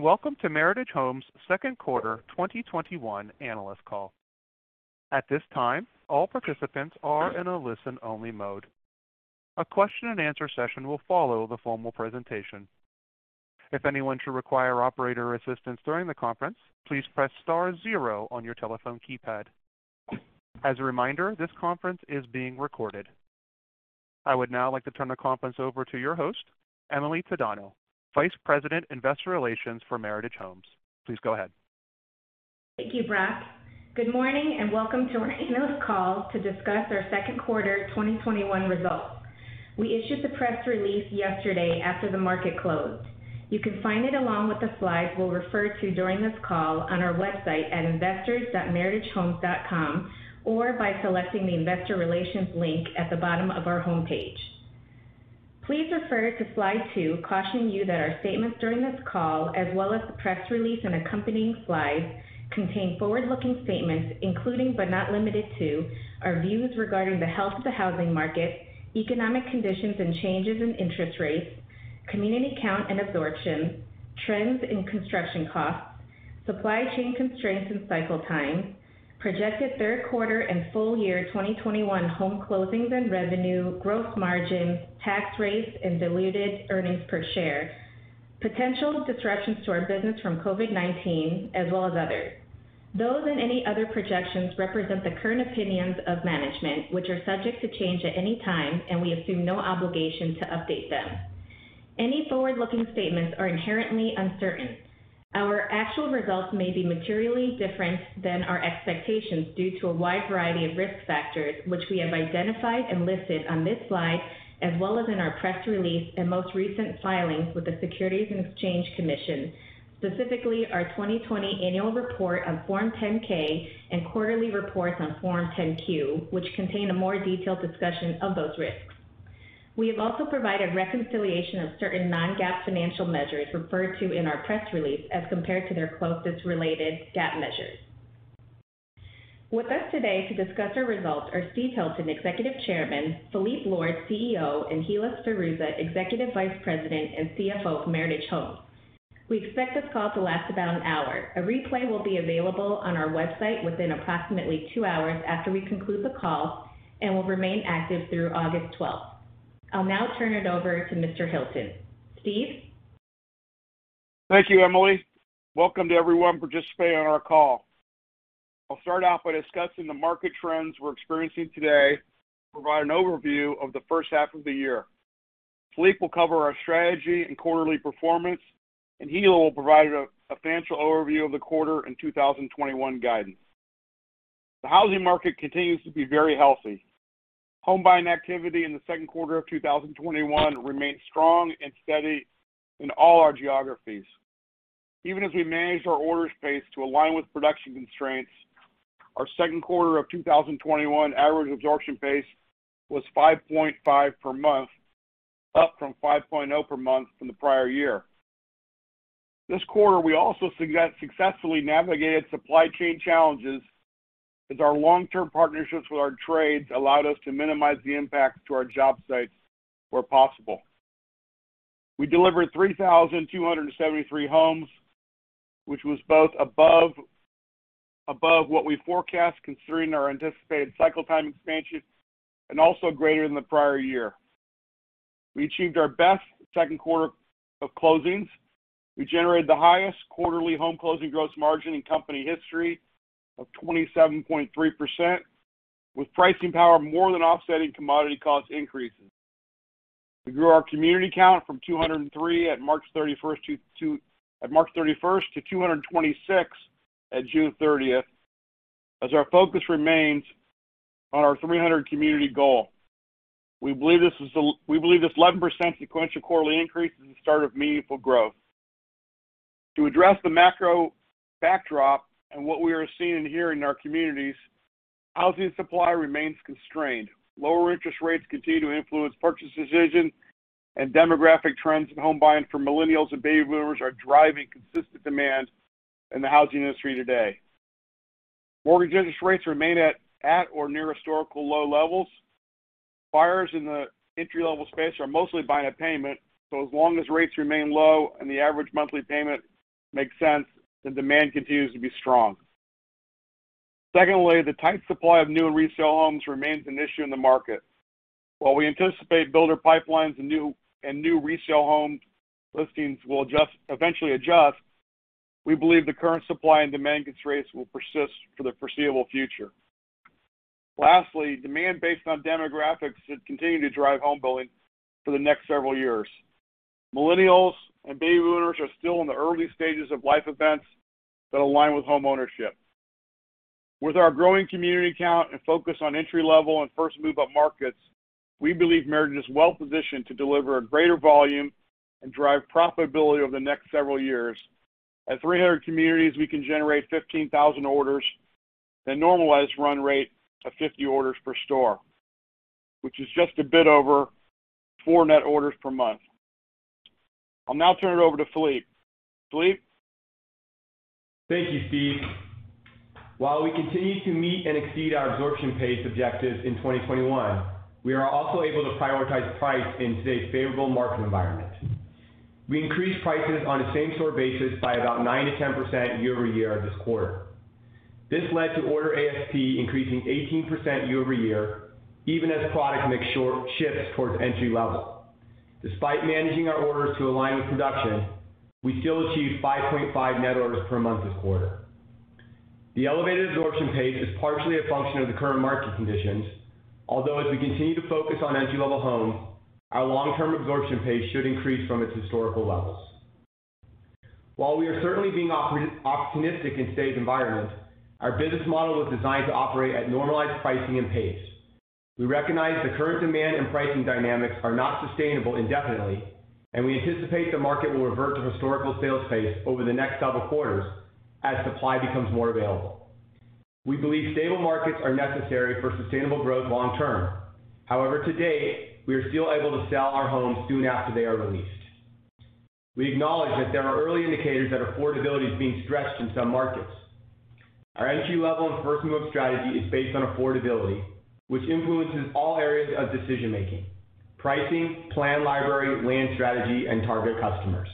Welcome to Meritage Homes second quarter 2021 analyst call. At this time, all participants are in a listen-only mode. A Question-and-Answer session will follow the formal presentation. If anyone should require operator assistance during the conference, please press star zero on your telephone keypad. As a reminder, this conference is being recorded. I would now like to turn the conference over to your host, Emily Tadano, Vice President, Investor Relations for Meritage Homes. Please go ahead. Thank you, Brock. Good morning and welcome to our analyst call to discuss our Q2 2021 results. We issued the press release yesterday after the market closed. You can find it along with the slides we'll refer to during this call on our website at investors.meritagehomes.com, or by selecting the Investor Relations link at the bottom of our homepage. Please refer to slide two caution you that our statements during this call, as well as the press release and accompanying slides, contain forward-looking statements, including but not limited to our views regarding the health of the housing market, economic conditions and changes in interest rates, community count and absorption, trends in construction costs, supply chain constraints and cycle time, projected third quarter and full year 2021 home closings and revenue, gross margin, tax rates, and diluted earnings per share, potential disruptions to our business from COVID-19, as well as others. Those and any other projections represent the current opinions of management, which are subject to change at any time, and we assume no obligation to update them. Any forward-looking statements are inherently uncertain. Our actual results may be materially different than our expectations due to a wide variety of risk factors, which we have identified and listed on this slide, as well as in our press release and most recent filings with the Securities and Exchange Commission, specifically our 2020 annual report on Form 10-K and quarterly reports on Form 10-Q, which contain a more detailed discussion of those risks. We have also provided reconciliation of certain non-GAAP financial measures referred to in our press release as compared to their closest related GAAP measures. With us today to discuss our results are Steve Hilton, Executive Chairman, Phillippe Lord, CEO, and Hilla Sferruzza, Executive Vice President and CFO of Meritage Homes. We expect this call to last about an hour. A replay will be available on our website within approximately two hours after we conclude the call and will remain active through August 12th. I'll now turn it over to Mr. Hilton. Steve? Thank you, Emily. Welcome to everyone participating on our call. I'll start off by discussing the market trends we're experiencing today, provide an overview of the first half of the year. Phillippe will cover our strategy and quarterly performance, Hilla will provide a financial overview of the quarter and 2021 guidance. The housing market continues to be very healthy. Home buying activity in the second quarter of 2021 remained strong and steady in all our geographies. Even as we managed our orders pace to align with production constraints, our second quarter of 2021 average absorption pace was 5.5 per month, up from 5.0 per month from the prior year. This quarter, we also successfully navigated supply chain challenges, as our long-term partnerships with our trades allowed us to minimize the impact to our job sites where possible. We delivered 3,273 homes, which was both above what we forecast considering our anticipated cycle time expansion, and also greater than the prior year. We achieved our best second quarter of closings. We generated the highest quarterly home closing gross margin in company history of 27.3%, with pricing power more than offsetting commodity cost increases. We grew our community count from 203 at March 31st to 226 at June 30th, as our focus remains on our 300 community goal. We believe this 11% sequential quarterly increase is the start of meaningful growth. To address the macro backdrop and what we are seeing here in our communities, housing supply remains constrained. Lower interest rates continue to influence purchase decisions, and demographic trends in home buying for millennials and baby boomers are driving consistent demand in the housing industry today. Mortgage interest rates remain at or near historical low levels. Buyers in the entry-level space are mostly buying a payment, so as long as rates remain low and the average monthly payment makes sense, the demand continues to be strong. Secondly, the tight supply of new and resale homes remains an issue in the market. While we anticipate builder pipelines and new resale home listings will eventually adjust, we believe the current supply and demand constraints will persist for the foreseeable future. Lastly, demand based on demographics should continue to drive homebuilding for the next several years. Millennials and baby boomers are still in the early stages of life events that align with homeownership. With our growing community count and focus on entry-level and first move-up markets, we believe Meritage is well positioned to deliver a greater volume and drive profitability over the next several years. At 300 communities, we can generate 15,000 orders and normalized run rate of 50 orders per store, which is just a bit over four net orders per month. I'll now turn it over to Phillippe. Phillippe? Thank you, Steve. While we continue to meet and exceed our absorption pace objectives in 2021, we are also able to prioritize price in today's favorable market environment. We increased prices on a same-store basis by about 9%-10% year-over-year this quarter. This led to order ASP increasing 18% year-over-year, even as product mix shifts towards entry-level. Despite managing our orders to align with production, we still achieved 5.5 net orders per month this quarter. The elevated absorption pace is partially a function of the current market conditions, although as we continue to focus on entry-level homes, our long-term absorption pace should increase from its historical levels. While we are certainly being opportunistic in today's environment, our business model was designed to operate at normalized pricing and pace. We recognize the current demand, and pricing dynamics are not sustainable indefinitely, and we anticipate the market will revert to historical sales pace over the next several quarters as supply becomes more available. We believe stable markets are necessary for sustainable growth long term. However, to date, we are still able to sell our homes soon after they are released. We acknowledge that there are early indicators that affordability is being stretched in some markets. Our entry-level and first-move strategy is based on affordability, which influences all areas of decision-making: pricing, plan library, land strategy, and target customers.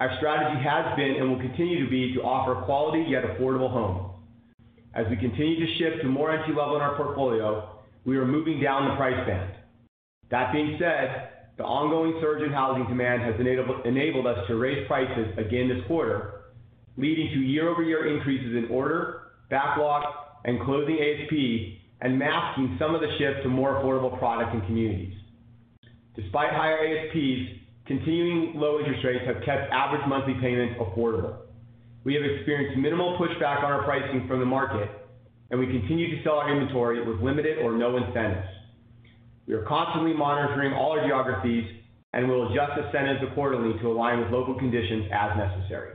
Our strategy has been and will continue to be to offer quality yet affordable homes. As we continue to shift to more entry-level in our portfolio, we are moving down the price band. That being said, the ongoing surge in housing demand has enabled us to raise prices again this quarter, leading to year-over-year increases in order, backlog, and closing ASP, and masking some of the shift to more affordable product and communities. Despite higher ASPs, continuing low interest rates have kept average monthly payments affordable. We have experienced minimal pushback on our pricing from the market, and we continue to sell our inventory with limited or no incentives. We are constantly monitoring all our geographies and will adjust incentives accordingly to align with local conditions as necessary.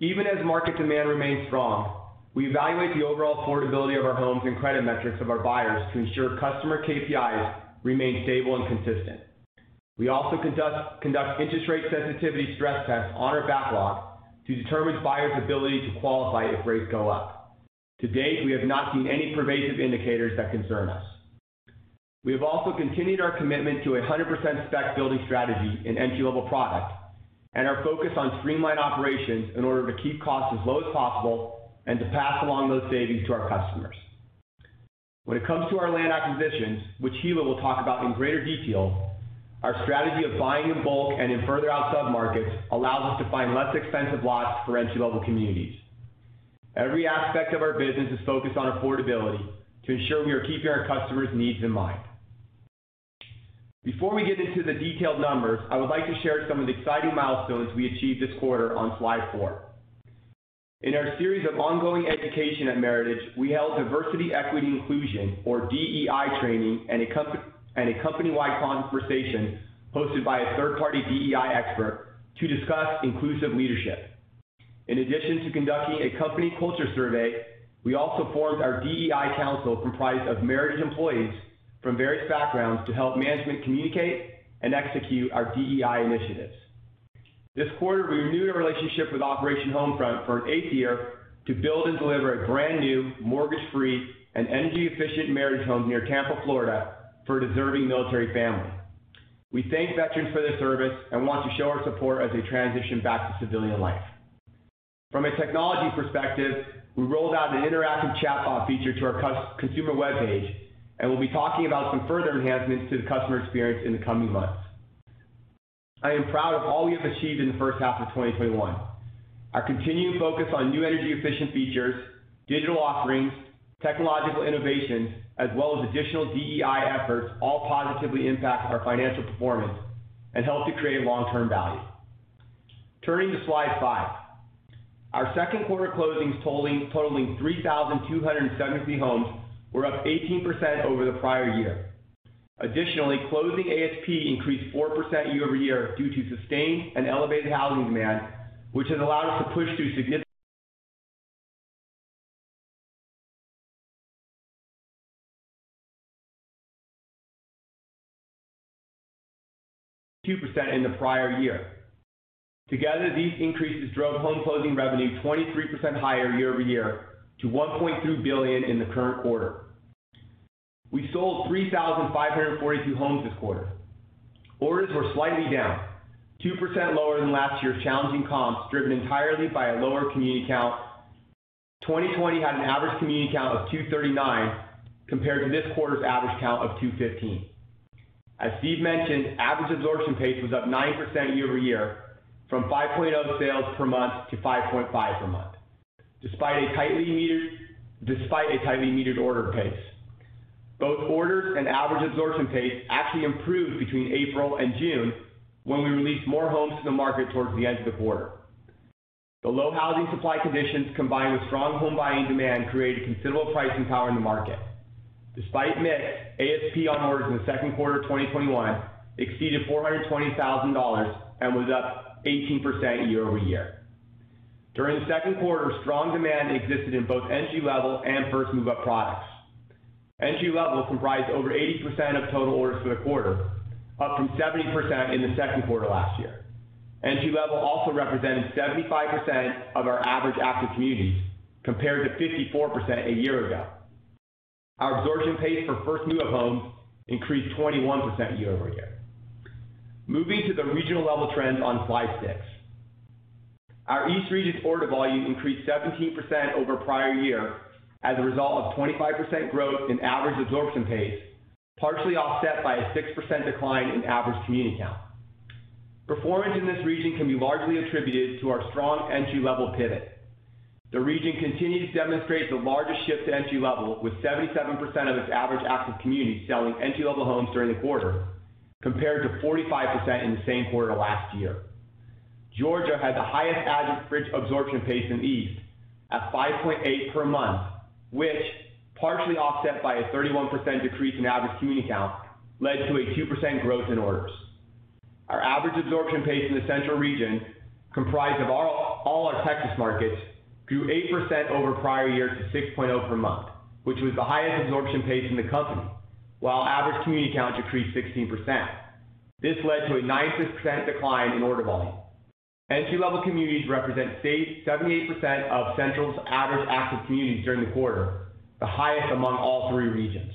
Even as market demand remains strong, we evaluate the overall affordability of our homes and credit metrics of our buyers to ensure customer KPIs remain stable and consistent. We also conduct interest rate sensitivity stress tests on our backlog to determine buyers' ability to qualify if rates go up. To date, we have not seen any pervasive indicators that concern us. We have also continued our commitment to 100% spec building strategy in entry-level product and our focus on streamlined operations in order to keep costs as low as possible and to pass along those savings to our customers. When it comes to our land acquisitions, which Hilla will talk about in greater detail, our strategy of buying in bulk and in further out submarkets allows us to find less expensive lots for entry-level communities. Every aspect of our business is focused on affordability to ensure we are keeping our customers' needs in mind. Before we get into the detailed numbers, I would like to share some of the exciting milestones we achieved this quarter on slide four. In our series of ongoing education at Meritage, we held Diversity, Equity, and Inclusion, or DEI training, and a company-wide conversation hosted by a third-party DEI expert to discuss inclusive leadership. In addition to conducting a company culture survey, we also formed our DEI council comprised of Meritage employees from various backgrounds to help management communicate and execute our DEI initiatives. This quarter, we renewed our relationship with Operation Homefront for an eighth year to build and deliver a brand-new mortgage-free and energy-efficient Meritage home near Tampa, Florida, for a deserving military family. We thank veterans for their service and want to show our support as they transition back to civilian life. From a technology perspective, we rolled out an interactive chatbot feature to our consumer webpage, and we'll be talking about some further enhancements to the customer experience in the coming months. I am proud of all we have achieved in the first half of 2021. Our continued focus on new energy-efficient features, digital offerings, technological innovations, as well as additional DEI efforts all positively impact our financial performance and help to create long-term value. Turning to slide five. Our second quarter closings totaling 3,273 homes were up 18% over the prior year. Additionally, closing ASP increased 4% year-over-year due to sustained and elevated housing demand, which has allowed us to push through significant 2% in the prior year. Together, these increases drove home closing revenue 23% higher year-over-year to $1.2 billion in the current quarter. We sold 3,542 homes this quarter. Orders were slightly down, 2% lower than last year's challenging comps, driven entirely by a lower community count. 2020 had an average community count of 239 compared to this quarter's average count of 215. As Steve mentioned, average absorption pace was up 9% year-over-year from 5.0 sales per month to 5.5 per month despite a tightly metered order pace. Both orders and average absorption pace actually improved between April and June when we released more homes to the market towards the end of the quarter. The low housing supply conditions combined with strong home buying demand created considerable pricing power in the market. Despite mix, ASP on orders in the second quarter of 2021 exceeded $420,000 and was up 18% year-over-year. During the second quarter, strong demand existed in both entry-level and first-move-up products. Entry-level comprised over 80% of total orders for the quarter, up from 70% in the second quarter last year. Entry-level also represented 75% of our average active communities, compared to 54% a year ago. Our absorption pace for first-move-up homes increased 21% year-over-year. Moving to the regional level trends on slide 6. Our East region's order volume increased 17% over prior year as a result of 25% growth in average absorption pace, partially offset by a 6% decline in average community count. Performance in this region can be largely attributed to our strong entry-level pivot. The region continued to demonstrate the largest shift to entry-level, with 77% of its average active communities selling entry-level homes during the quarter, compared to 45% in the same quarter last year. Georgia had the highest average absorption pace in the East at 5.8 per month, which, partially offset by a 31% decrease in average community count, led to a 2% growth in orders. Our average absorption pace in the Central region, comprised of all our Texas markets, grew 8% over prior year to 6.0 per month, which was the highest absorption pace in the company, while average community count increased 16%. This led to a 9% decline in order volume. Entry-level communities represent 78% of Central's average active communities during the quarter, the highest among all three regions.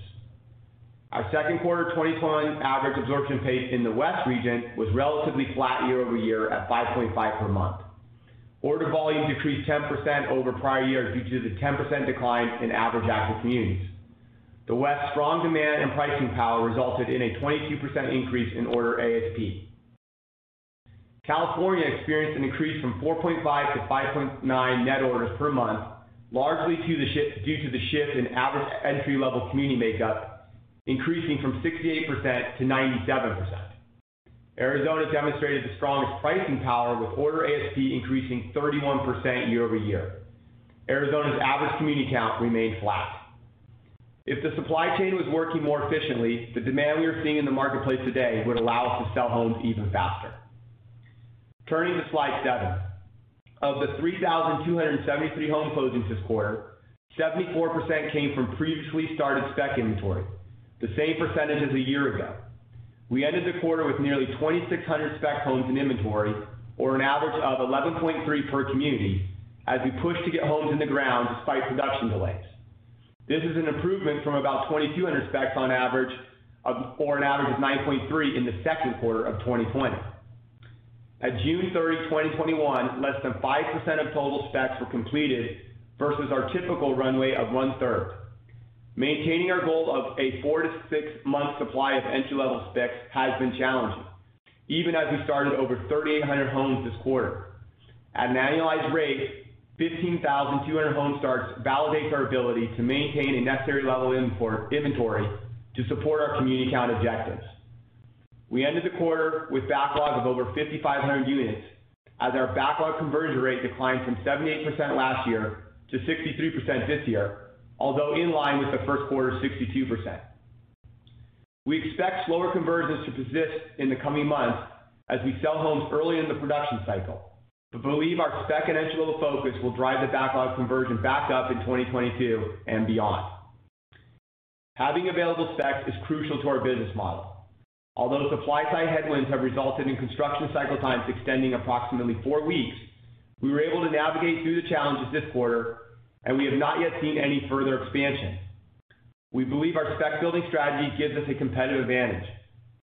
Our Q2 2021 average absorption pace in the West region was relatively flat year-over-year at 5.5 per month. Order volume decreased 10% over prior year due to the 10% decline in average active communities. The West's strong demand and pricing power resulted in a 22% increase in order ASP. California experienced an increase from 4.5-5.9 net orders per month, largely due to the shift in average entry-level community makeup increasing from 68%-97%. Arizona demonstrated the strongest pricing power with order ASP increasing 31% year-over-year. Arizona's average community count remained flat. If the supply chain was working more efficiently, the demand we are seeing in the marketplace today would allow us to sell homes even faster. Turning to slide seven. Of the 3,273 home closings this quarter, 74% came from previously started spec inventory, the same percentage as a year ago. We ended the quarter with nearly 2,600 spec homes in inventory, or an average of 11.3 per community, as we push to get homes in the ground despite production delays. This is an improvement from about 2,200 specs on average, or an average of 9.3 in the second quarter of 2020. At June 30, 2021, less than 5% of total specs were completed versus our typical runway of one-third. Maintaining our goal of a four to six-month supply of entry-level specs has been challenging, even as we started over 3,800 homes this quarter. At an annualized rate, 15,200 home starts validates our ability to maintain a necessary level of inventory to support our community count objectives. We ended the quarter with backlog of over 5,500 units as our backlog conversion rate declined from 78% last year to 63% this year, although in line with the first quarter 62%. We expect slower conversions to persist in the coming months as we sell homes early in the production cycle, but believe our spec and entry-level focus will drive the backlog conversion back up in 2022 and beyond. Having available specs is crucial to our business model. Although supply-side headwinds have resulted in construction cycle times extending approximately four weeks, we were able to navigate through the challenges this quarter. We have not yet seen any further expansion. We believe our spec building strategy gives us a competitive advantage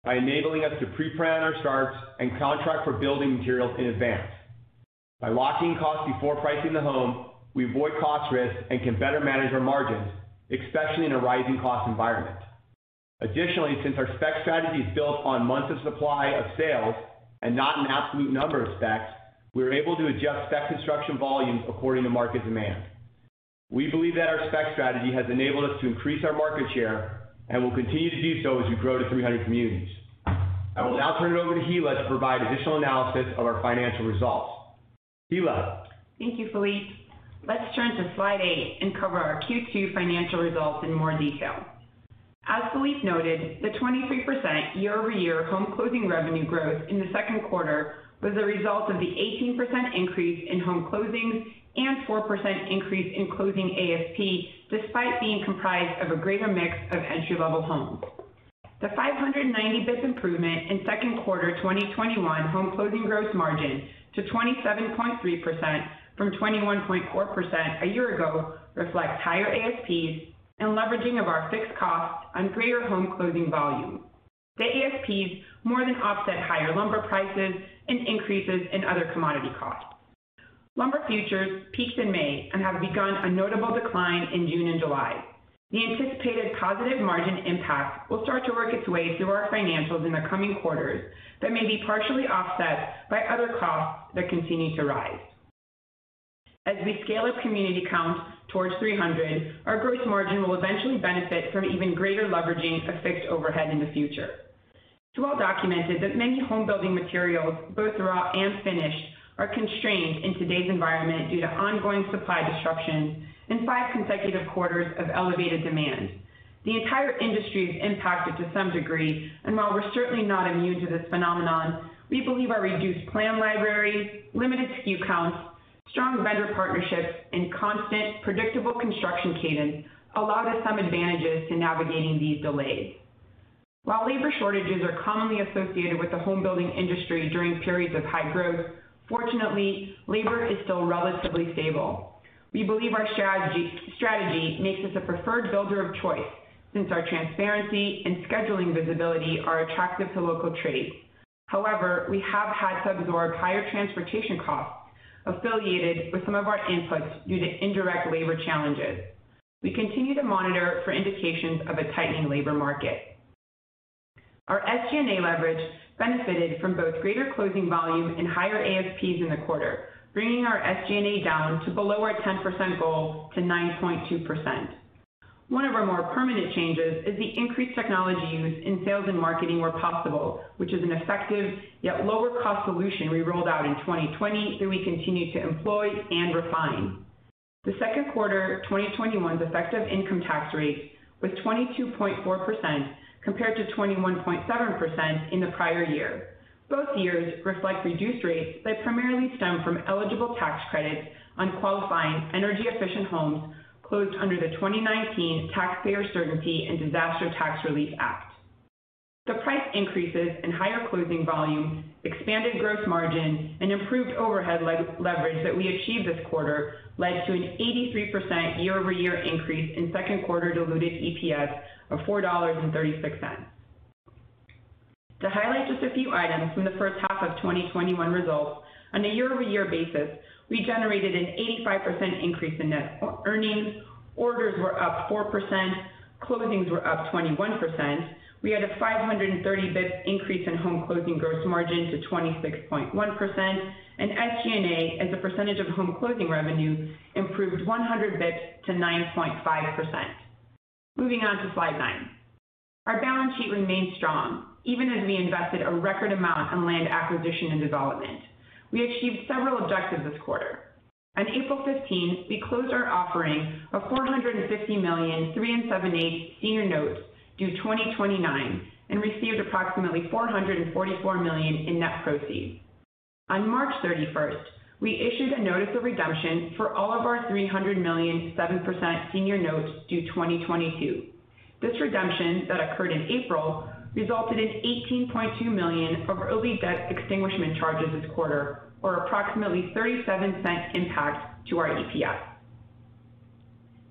by enabling us to pre-plan our starts and contract for building materials in advance. By locking costs before pricing the home, we avoid cost risks and can better manage our margins, especially in a rising cost environment. Additionally, since our spec strategy is built on months of supply of sales and not an absolute number of specs, we are able to adjust spec construction volumes according to market demand. We believe that our spec strategy has enabled us to increase our market share and will continue to do so as we grow to 300 communities. I will now turn it over to Hilla to provide additional analysis of our financial results. Hilla? Thank you, Phillippe. Let's turn to slide eight and cover our Q2 financial results in more detail. As Phillippe noted, the 23% year-over-year home closing revenue growth in the second quarter was a result of the 18% increase in home closings and 4% increase in closing ASP, despite being comprised of a greater mix of entry-level homes. The 590 basis points improvement in second quarter 2021 home closing gross margin to 27.3% from 21.4% a year ago reflects higher ASPs and leveraging of our fixed costs on greater home closing volume. The ASPs more than offset higher lumber prices and increases in other commodity costs. Lumber futures peaked in May and have begun a notable decline in June and July. The anticipated positive margin impact will start to work its way through our financials in the coming quarters, but may be partially offset by other costs that continue to rise. As we scale our community count towards 300, our gross margin will eventually benefit from even greater leveraging of fixed overhead in the future. It's well documented that many home building materials, both raw and finished, are constrained in today's environment due to ongoing supply disruptions and five consecutive quarters of elevated demand. The entire industry is impacted to some degree, and while we're certainly not immune to this phenomenon, we believe our reduced plan library, limited SKU counts, strong vendor partnerships and constant predictable construction cadence allow us some advantages in navigating these delays. While labor shortages are commonly associated with the home building industry during periods of high growth, fortunately, labor is still relatively stable. We believe our strategy makes us a preferred builder of choice since our transparency and scheduling visibility are attractive to local trades. However, we have had to absorb higher transportation costs associated with some of our inputs due to indirect labor challenges. We continue to monitor for indications of a tightening labor market. Our SG&A leverage benefited from both greater closing volume and higher ASPs in the quarter, bringing our SG&A down to below our 10% goal to 9.2%. One of our more permanent changes is the increased technology use in sales and marketing where possible, which is an effective yet lower-cost solution we rolled out in 2020 that we continue to employ and refine. The second quarter 2021's effective income tax rate was 22.4% compared to 21.7% in the prior year. Both years reflect reduced rates that primarily stem from eligible tax credits on qualifying energy-efficient homes closed under the 2019 Taxpayer Certainty and Disaster Tax Relief Act. The price increases and higher closing volume expanded gross margin and improved overhead leverage that we achieved this quarter led to an 83% year-over-year increase in second quarter diluted EPS of $4.36. To highlight just a few items from the first half of 2021 results, on a year-over-year basis, we generated an 85% increase in net earnings. Orders were up 4%, closings were up 21%. We had a 530 basis points increase in home closing gross margin to 26.1%, and SG&A as a percentage of home closing revenue improved 100 basis points to 9.5%. Moving on to slide 9. Our balance sheet remains strong even as we invested a record amount on land acquisition and development. We achieved several objectives this quarter. On April 15, we closed our offering of $450 million, 3.75% senior notes due 2029, and received approximately $444 million in net proceeds. On March 31st, we issued a notice of redemption for all of our $300 million 7% senior notes due 2022. This redemption that occurred in April resulted in $18.2 million of early debt extinguishment charges this quarter, or approximately $0.37 impact to our EPS.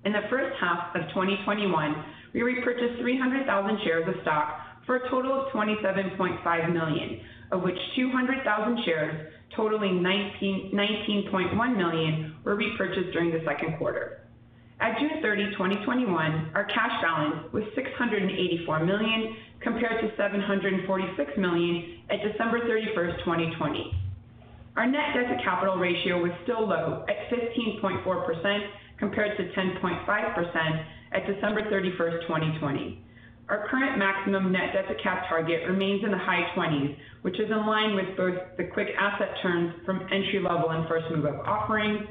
In the first half of 2021, we repurchased 300,000 shares of stock for a total of $27.5 million, of which 200,000 shares totaling $19.1 million were repurchased during the second quarter. At June 30, 2021, our cash balance was $684 million compared to $746 million at December 31st, 2020. Our net debt to capital ratio was still low at 15.4% compared to 10.5% at December 31st, 2020. Our current maximum net debt to cap target remains in the high 20s, which is in line with both the quick asset turns from entry-level and first move-up offerings,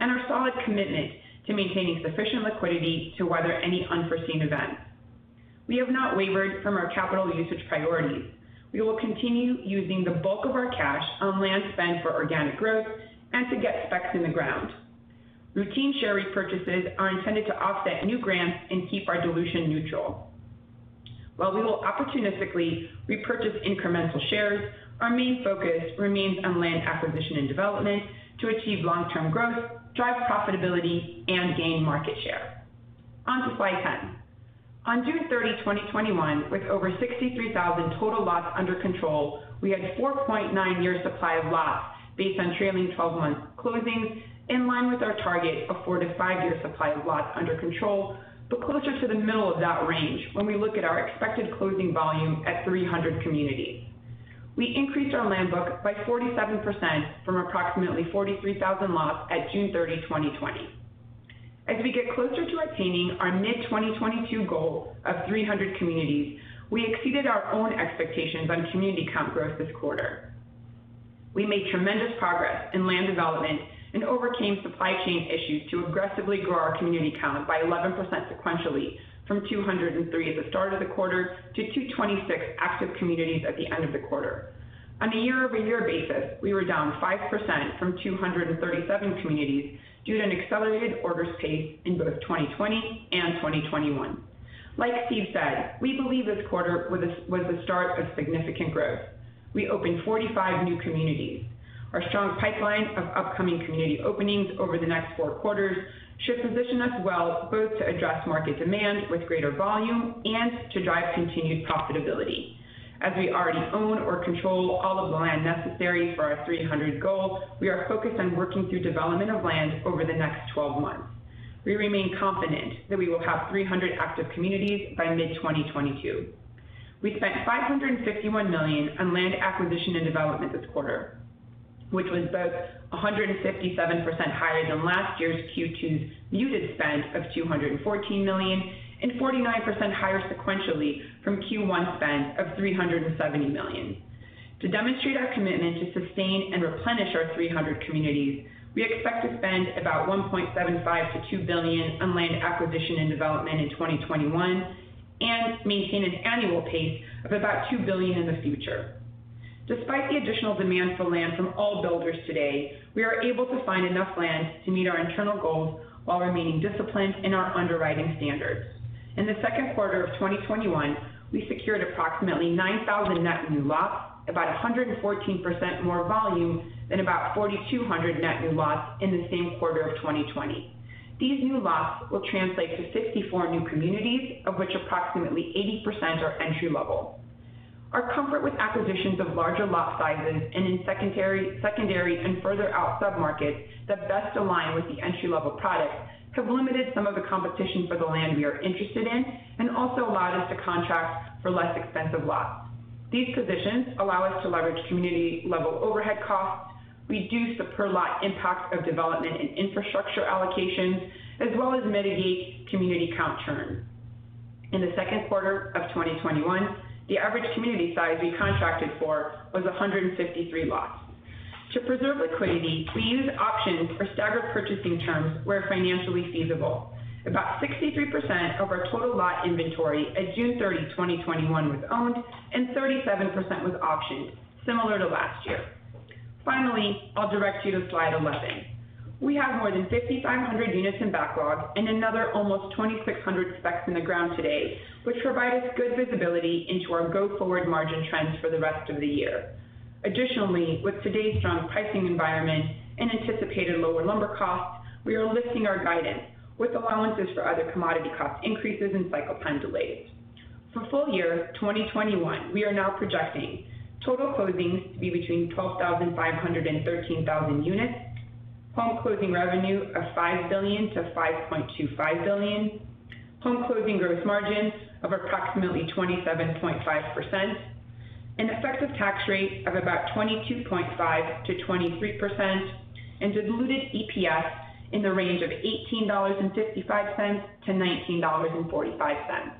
and our solid commitment to maintaining sufficient liquidity to weather any unforeseen event. We have not wavered from our capital usage priorities. We will continue using the bulk of our cash on land spend for organic growth and to get specs in the ground. Routine share repurchases are intended to offset new grants and keep our dilution neutral. While we will opportunistically repurchase incremental shares, our main focus remains on land acquisition and development to achieve long-term growth, drive profitability, and gain market share. On to slide 10. On June 30, 2021, with over 63,000 total lots under control, we had 4.9 years supply of lots based on trailing 12 months closings in line with our target of four to five years supply of lots under control, but closer to the middle of that range when we look at our expected closing volume at 300 communities. We increased our land book by 47% from approximately 43,000 lots at June 30, 2020. As we get closer to attaining our mid-2022 goal of 300 communities, we exceeded our own expectations on community count growth this quarter. We made tremendous progress in land development and overcame supply chain issues to aggressively grow our community count by 11% sequentially from 203 at the start of the quarter to 226 active communities at the end of the quarter. On a year-over-year basis, we were down 5% from 237 communities due to an accelerated orders pace in both 2020 and 2021. Like Steve said, we believe this quarter was the start of significant growth. We opened 45 new communities. Our strong pipeline of upcoming community openings over the next four quarters should position us well both to address market demand with greater volume and to drive continued profitability. As we already own or control all of the land necessary for our 300 goal, we are focused on working through development of land over the next 12 months. We remain confident that we will have 300 active communities by mid-2022. We spent $561 million on land acquisition and development this quarter, which was both 157% higher than last year's Q2's muted spend of $214 million and 49% higher sequentially from Q1 spend of $370 million. To demonstrate our commitment to sustain and replenish our 300 communities, we expect to spend about $1.75 billion-$2 billion on land acquisition and development in 2021 and maintain an annual pace of about $2 billion in the future. Despite the additional demand for land from all builders today, we are able to find enough land to meet our internal goals while remaining disciplined in our underwriting standards. In Q2 2021, we secured approximately 9,000 net new lots, about 114% more volume than about 4,200 net new lots in the same quarter of 2020. These new lots will translate to 64 new communities, of which approximately 80% are entry-level. Our comfort with acquisitions of larger lot sizes and in secondary and further out sub-markets that best align with the entry-level products have limited some of the competition for the land we are interested in, and also allowed us to contract for less expensive lots. These positions allow us to leverage community-level overhead costs, reduce the per-lot impact of development and infrastructure allocations, as well as mitigate community count churn. In the second quarter of 2021, the average community size we contracted for was 153 lots. To preserve liquidity, we use options for staggered purchasing terms where financially feasible. About 63% of our total lot inventory as of June 30, 2021, was owned and 37% was optioned, similar to last year. Finally, I'll direct you to slide 11. We have more than 5,500 units in backlog and another almost 2,600 specs in the ground today, which provide us good visibility into our go-forward margin trends for the rest of the year. Additionally, with today's strong pricing environment and anticipated lower lumber costs, we are lifting our guidance with allowances for other commodity cost increases and cycle time delays. For full year 2021, we are now projecting total closings to be between 12,500 and 13,000 units, home closing revenue of $5 billion-$5.25 billion, home closing gross margins of approximately 27.5%, an effective tax rate of about 22.5%-23%, and diluted EPS in the range of $18.55-$19.45.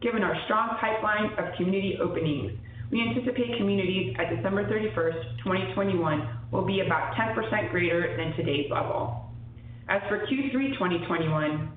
Given our strong pipeline of community openings, we anticipate communities at December 31st, 2021, will be about 10% greater than today's level. As for Q3 2021,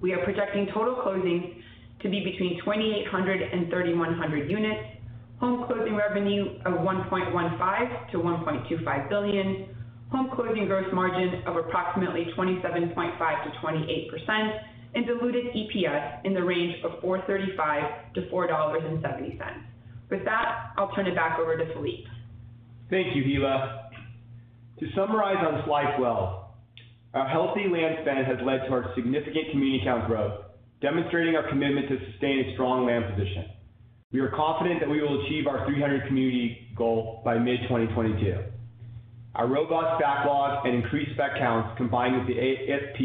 we are projecting total closings to be between 2,800 and 3,100 units, home closing revenue of $1.15 billion-$1.25 billion, home closing gross margin of approximately 27.5%-28%, and diluted EPS in the range of $4.35-$4.70. With that, I'll turn it back over to Phillippe. Thank you, Hilla. To summarize on slide 12, our healthy land spend has led to our significant community count growth, demonstrating our commitment to sustain a strong land position. We are confident that we will achieve our 300 community goal by mid-2022. Our robust backlog and increased spec counts, combined with the ASP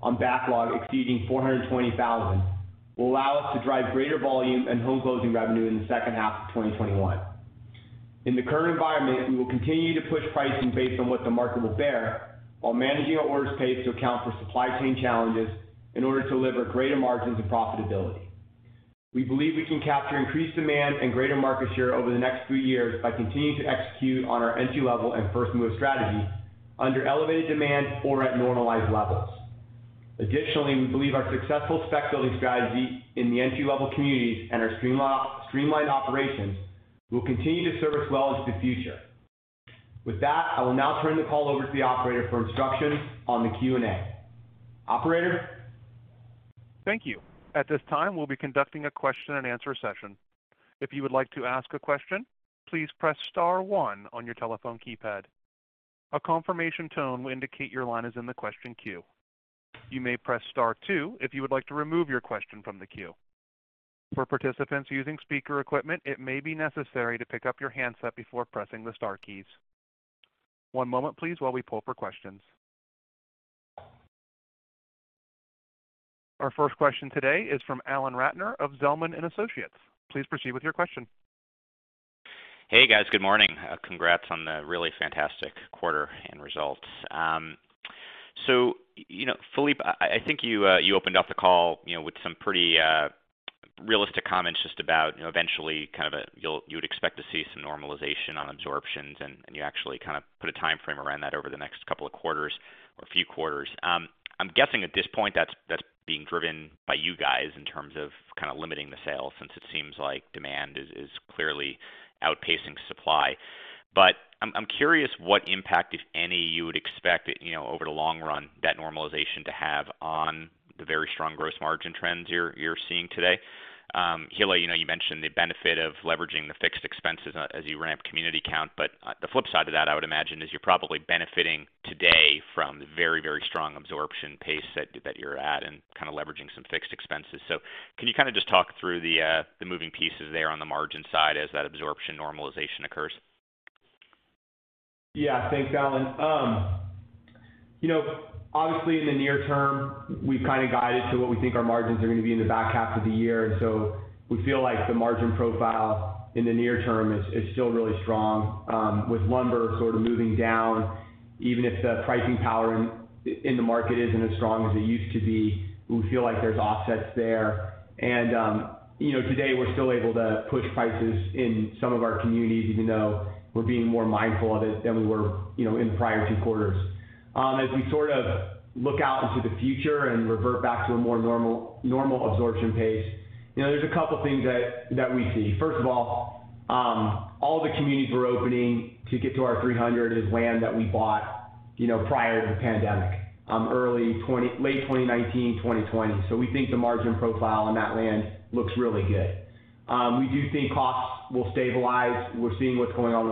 on backlog exceeding $420,000, will allow us to drive greater volume and home closing revenue in the second half of 2021. In the current environment, we will continue to push pricing based on what the market will bear while managing our orders pace to account for supply chain challenges in order to deliver greater margins and profitability. We believe we can capture increased demand and greater market share over the next three years by continuing to execute on our entry-level and first-move strategy under elevated demand or at normalized levels. Additionally, we believe our successful spec building strategy in the entry-level communities and our streamlined operations will continue to serve us well into the future. With that, I will now turn the call over to the operator for instructions on the Q&A. Operator? Thank you. At this time, we'll be conducting a Question-and-Answer session. If you would like to ask a question, please press star one on your telephone keypad. A confirmation tone will indicate your line is in the question queue. You may press star two if you would like to remove your question from the queue. For participants using speaker equipment, it may be necessary to pick up your handset before pressing the star keys. One moment, please, while we pull for questions. Our first question today is from Alan Ratner of Zelman & Associates. Please proceed with your question. Hey, guys. Good morning. Congrats on the really fantastic quarter and results. Phillippe, I think you opened up the call with some pretty realistic comments just about eventually you would expect to see some normalization on absorptions, and you actually put a timeframe around that over the next two quarters or a few quarters. I'm guessing at this point that's being driven by you guys in terms of limiting the sale, since it seems like demand is clearly outpacing supply. I'm curious what impact, if any, you would expect over the long run that normalization to have on the very strong gross margin trends you're seeing today? Hilla, you mentioned the benefit of leveraging the fixed expenses as you ramp community count, but the flip side to that, I would imagine, is you're probably benefiting today from the very, very strong absorption pace that you're at and kind of leveraging some fixed expenses. Can you just talk through the moving pieces there on the margin side as that absorption normalization occurs? Yeah. Thanks, Alan. Obviously, in the near term, we've kind of guided to what we think our margins are going to be in the back half of the year. We feel like the margin profile in the near term is still really strong. With lumber sort of moving down, even if the pricing power in the market isn't as strong as it used to be, we feel like there's offsets there. Today we're still able to push prices in some of our communities, even though we're being more mindful of it than we were in the prior two quarters. As we sort of look out into the future and revert back to a more normal absorption pace, there's a couple things that we see. First of all the communities we're opening to get to our 300 is land that we bought prior to the pandemic, late 2019, 2020. We think the margin profile on that land looks really good. We do think costs will stabilize. We're seeing what's going on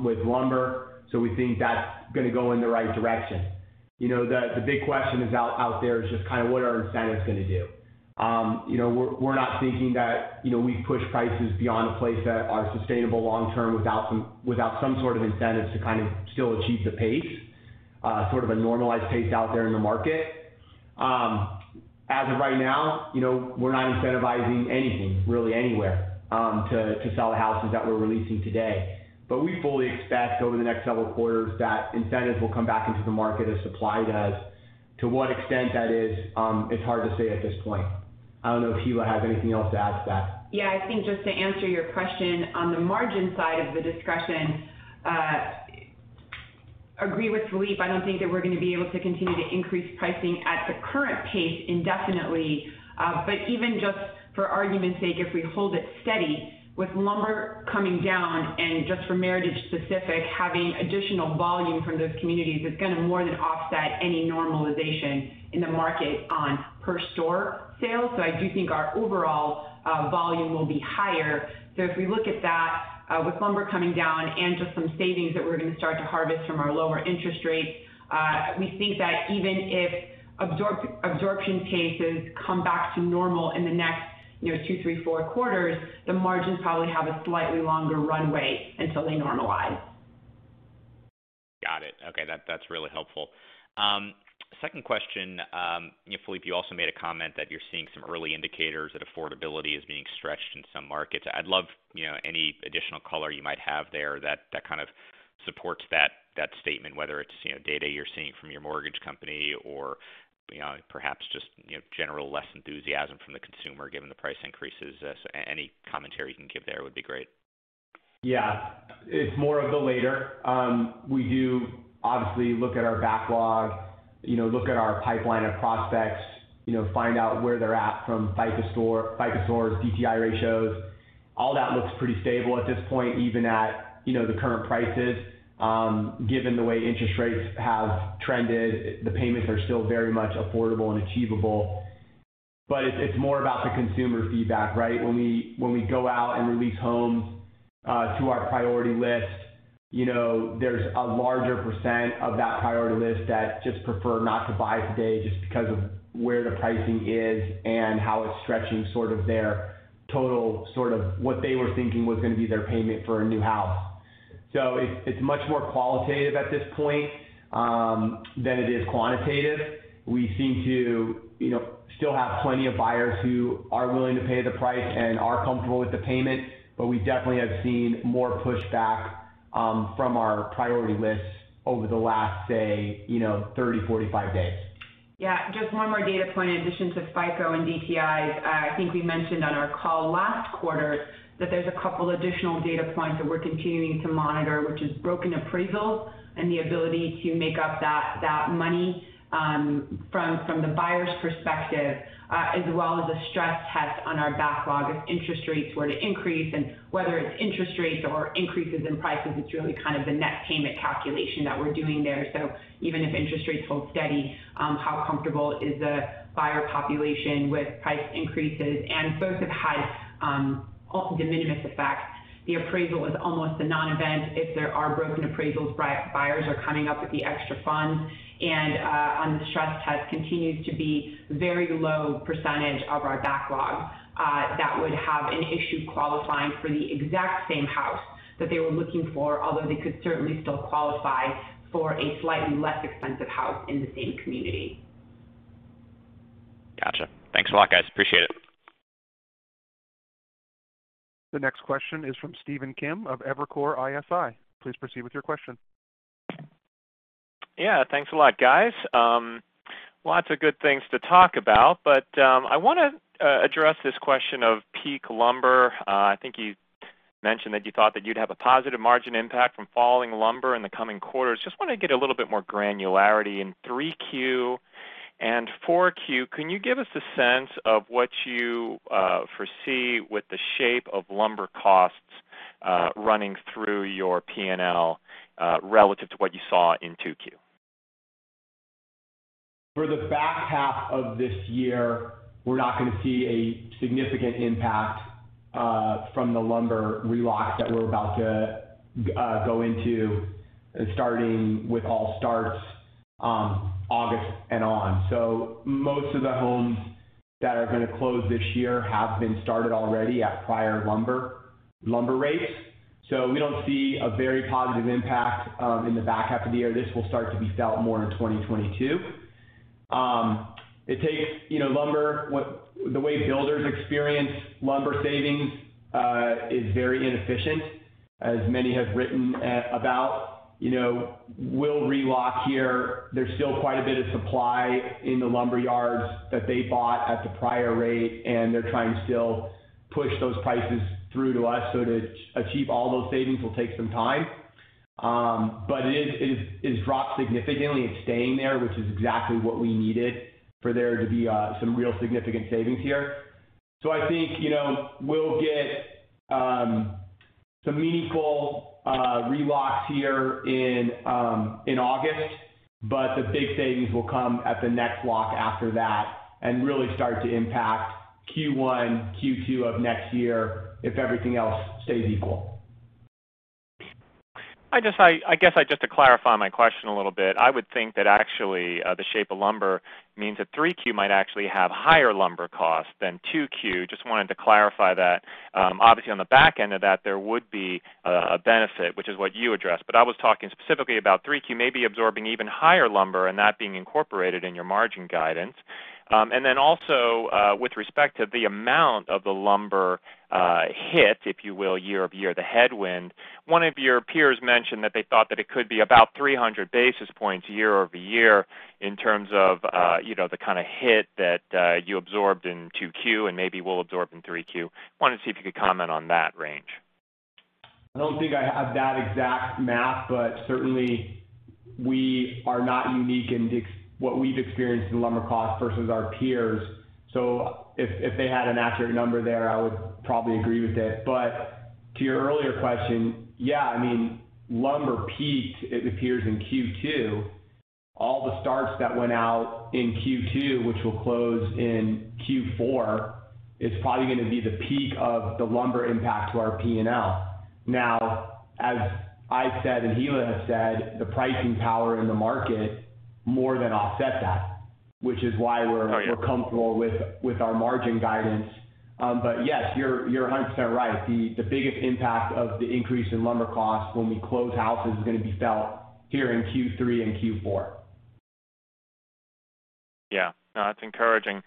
with lumber, so we think that's going to go in the right direction. The big question out there is just kind of what are incentives going to do? We're not thinking that we push prices beyond a place that are sustainable long-term without some sort of incentives to kind of still achieve the pace, sort of a normalized pace out there in the market. As of right now, we're not incentivizing anything, really anywhere, to sell the houses that we're releasing today. We fully expect over the next several quarters that incentives will come back into the market as supply does. To what extent that is, it's hard to say at this point. I don't know if Hilla has anything else to add to that. Yeah, I think just to answer your question, on the margin side of the discussion, agree with Phillippe. I don't think that we're going to be able to continue to increase pricing at the current pace indefinitely. Even just for argument's sake, if we hold it steady with lumber coming down and just for Meritage specific, having additional volume from those communities, it's going to more than offset any normalization in the market on per store sales. I do think our overall volume will be higher. If we look at that with lumber coming down and just some savings that we're going to start to harvest from our lower interest rates, we think that even if absorption paces come back to normal in the next two, three, four quarters, the margins probably have a slightly longer runway until they normalize. Got it. Okay. That's really helpful. Second question. Phillippe, you also made a comment that you're seeing some early indicators that affordability is being stretched in some markets. I'd love any additional color you might have there that kind of supports that statement, whether it's data you're seeing from your mortgage company or perhaps just general less enthusiasm from the consumer given the price increases. Any commentary you can give there would be great. Yeah. It's more of the later. We do obviously look at our backlog, look at our pipeline of prospects, find out where they're at from FICO scores, DTI ratios. That looks pretty stable at this point, even at the current prices. Given the way interest rates have trended, the payments are still very much affordable and achievable. It's more about the consumer feedback, right? When we go out and release homes to our priority list, there's a larger percent of that priority list that just prefer not to buy today just because of where the pricing is and how it's stretching sort of their total, sort of what they were thinking was going to be their payment for a new house. It's much more qualitative at this point, than it is quantitative. We seem to still have plenty of buyers who are willing to pay the price and are comfortable with the payment, but we definitely have seen more pushback from our priority lists over the last, say, 30, 45 days. Yeah. Just one more data point in addition to FICO and DTI. I think we mentioned on our call last quarter that there's a couple additional data points that we're continuing to monitor, which is broken appraisals and the ability to make up that money from the buyer's perspective, as well as a stress test on our backlog if interest rates were to increase and whether it's interest rates or increases in prices, it's really kind of the net payment calculation that we're doing there. Even if interest rates hold steady, how comfortable is the buyer population with price increases? Both have had almost a de minimis effect. The appraisal is almost a non-event. If there are broken appraisals, buyers are coming up with the extra funds. On the stress test continues to be very low percentage of our backlog, that would have an issue qualifying for the exact same house that they were looking for, although they could certainly still qualify for a slightly less expensive house in the same community. Got you. Thanks a lot, guys. Appreciate it. The next question is from Stephen Kim of Evercore ISI. Please proceed with your question. Yeah. Thanks a lot, guys. Lots of good things to talk about, but I want to address this question of peak lumber. I think you mentioned that you thought that you'd have a positive margin impact from falling lumber in the coming quarters. Just want to get a little bit more granularity. In 3Q and 4Q, can you give us a sense of what you foresee with the shape of lumber costs running through your P&L relative to what you saw in 2Q? For the back half of this year, we're not going to see a significant impact from the lumber relock that we're about to go into starting with all starts August and on. Most of the homes that are going to close this year have been started already at prior lumber rates. We don't see a very positive impact in the back half of the year. This will start to be felt more in 2022. The way builders experience lumber savings is very inefficient, as many have written about. We'll relock here. There's still quite a bit of supply in the lumberyards that they bought at the prior rate, and they're trying to still push those prices through to us. To achieve all those savings will take some time. It has dropped significantly. It's staying there, which is exactly what we needed for there to be some real significant savings here. I think we'll get some meaningful, relocks here in August, but the big savings will come at the next lock after that and really start to impact Q1, Q2 of next year if everything else stays equal. I guess just to clarify my question a little bit, I would think that actually, the shape of lumber means that 3Q might actually have higher lumber costs than 2Q. Just wanted to clarify that. Obviously, on the back end of that, there would be a benefit, which is what you addressed. I was talking specifically about 3Q maybe absorbing even higher lumber and that being incorporated in your margin guidance. Also, with respect to the amount of the lumber hit, if you will, year-over-year, the headwind, one of your peers mentioned that they thought that it could be about 300 basis points year-over-year in terms of the kind of hit that you absorbed in 2Q and maybe will absorb in 3Q. Wanted to see if you could comment on that range. I don't think I have that exact math, but certainly we are not unique in what we've experienced in lumber costs versus our peers. If they had an accurate number there, I would probably agree with it. To your earlier question, yeah, lumber peaked, it appears, in Q2. All the starts that went out in Q2, which will close in Q4, is probably going to be the peak of the lumber impact to our P&L. As I've said and Hilla has said, the pricing power in the market more than offsets that. Oh, yeah. Comfortable with our margin guidance. Yes, you're 100% right. The biggest impact of the increase in lumber costs when we close houses is going to be felt here in Q3 and Q4. Yeah. No, that's encouraging.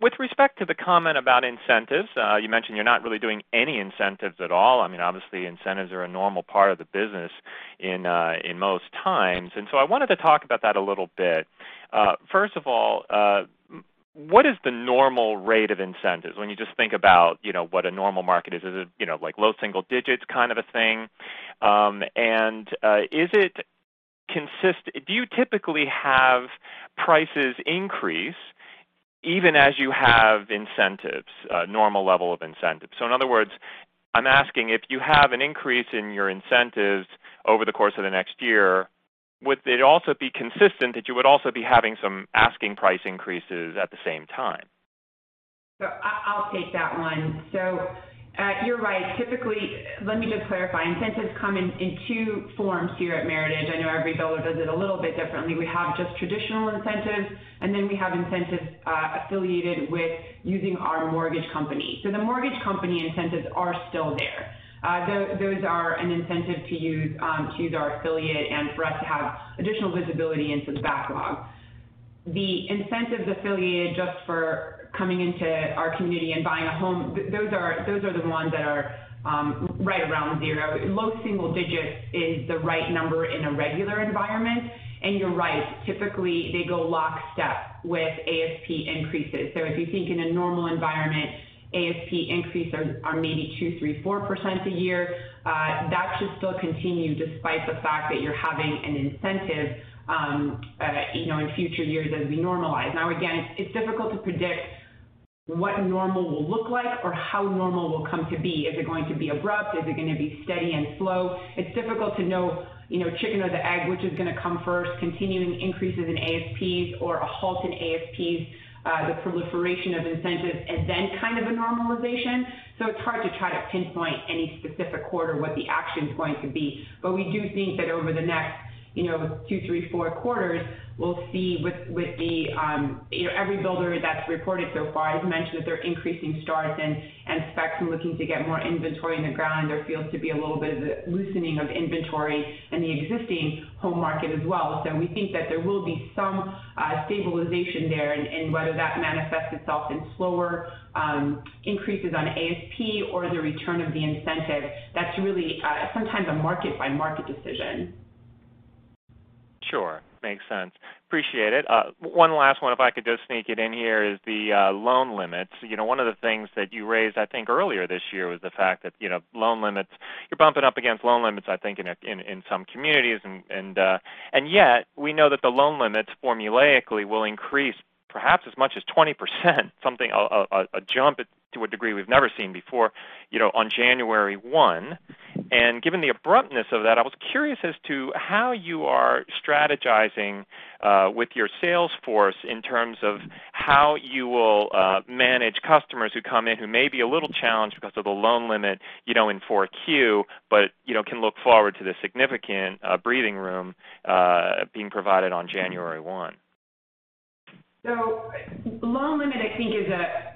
With respect to the comment about incentives, you mentioned you're not really doing any incentives at all. Obviously, incentives are a normal part of the business in most times. I wanted to talk about that a little bit. First of all, what is the normal rate of incentives when you just think about what a normal market is? Is it like low single digits kind of a thing? Do you typically have prices increase even as you have incentives, a normal level of incentives? In other words, I'm asking if you have an increase in your incentives over the course of the next year, would it also be consistent that you would also be having some asking price increases at the same time? I'll take that one. You're right. Typically, let me just clarify. Incentives come in two forms here at Meritage. I know every builder does it a little bit differently. We have just traditional incentives, and then we have incentives associated with using our mortgage company. The mortgage company incentives are still there. Those are an incentive to use our affiliate and for us to have additional visibility into the backlog. The incentives affiliated just for coming into our community and buying a home, those are the ones that are right around zero. Low single digits is the right number in a regular environment. You're right, typically, they go lockstep with ASP increases. If you think in a normal environment, ASP increases are maybe 2%, 3%, 4% a year. That should still continue despite the fact that you're having an incentive in future years as we normalize. Again, it's difficult to predict what normal will look like or how normal will come to be. Is it going to be abrupt? Is it going to be steady and slow? It's difficult to know, chicken or the egg, which is going to come first, continuing increases in ASPs or a halt in ASPs, the proliferation of incentives, and then kind of a normalization. It's hard to try to pinpoint any specific quarter what the action's going to be. We do think that over the next two, three, four quarters, every builder that's reported so far has mentioned that they're increasing starts and specs and looking to get more inventory in the ground. There feels to be a little bit of a loosening of inventory in the existing home market as well. We think that there will be some stabilization there, and whether that manifests itself in slower increases on ASP or the return of the incentive, that's really sometimes a market-by-market decision. Sure. Makes sense. Appreciate it. One last one if I could just sneak it in here is the loan limits. One of the things that you raised, I think, earlier this year was the fact that you're bumping up against loan limits, I think, in some communities, yet we know that the loan limits formulaically will increase perhaps as much as 20%, a jump to a degree we've never seen before, on January 1. Given the abruptness of that, I was curious as to how you are strategizing with your sales force in terms of how you will manage customers who come in who may be a little challenged because of the loan limit in 4Q, but can look forward to the significant breathing room being provided on January 1. Loan limit I think is a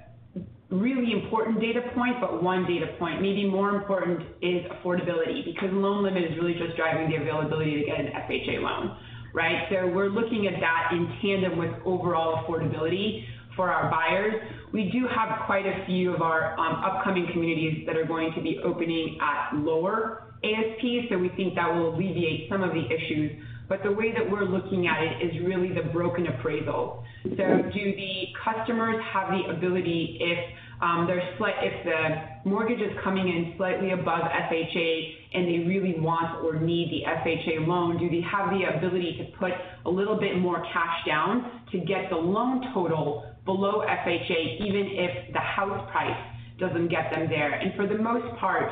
really important data point, but one data point. Maybe more important is affordability because loan limit is really just driving the availability to get an FHA loan, right? We're looking at that in tandem with overall affordability for our buyers. We do have quite a few of our upcoming communities that are going to be opening at lower ASPs, so we think that will alleviate some of the issues. The way that we're looking at it is really the broken appraisal. Do the customers have the ability if the mortgage is coming in slightly above FHA. We want or need the FHA loan. Do we have the ability to put a little bit more cash down to get the loan total below FHA, even if the house price doesn't get them there? For the most part,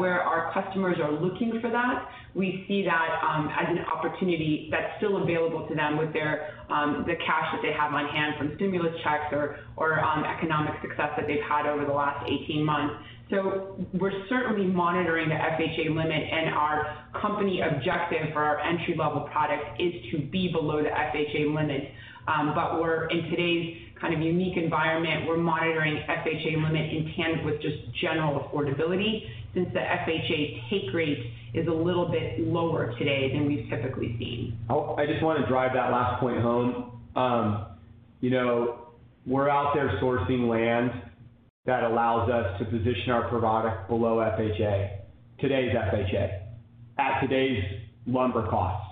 where our customers are looking for that, we see that as an opportunity that's still available to them with the cash that they have on hand from stimulus checks or economic success that they've had over the last 18 months. We're certainly monitoring the FHA limit and our company objective for our entry-level product is to be below the FHA limit. We're in today's kind of unique environment, we're monitoring FHA limit in tandem with just general affordability since the FHA take rate is a little bit lower today than we've typically seen. I just want to drive that last point home. We're out there sourcing land that allows us to position our product below FHA, today's FHA, at today's lumber cost,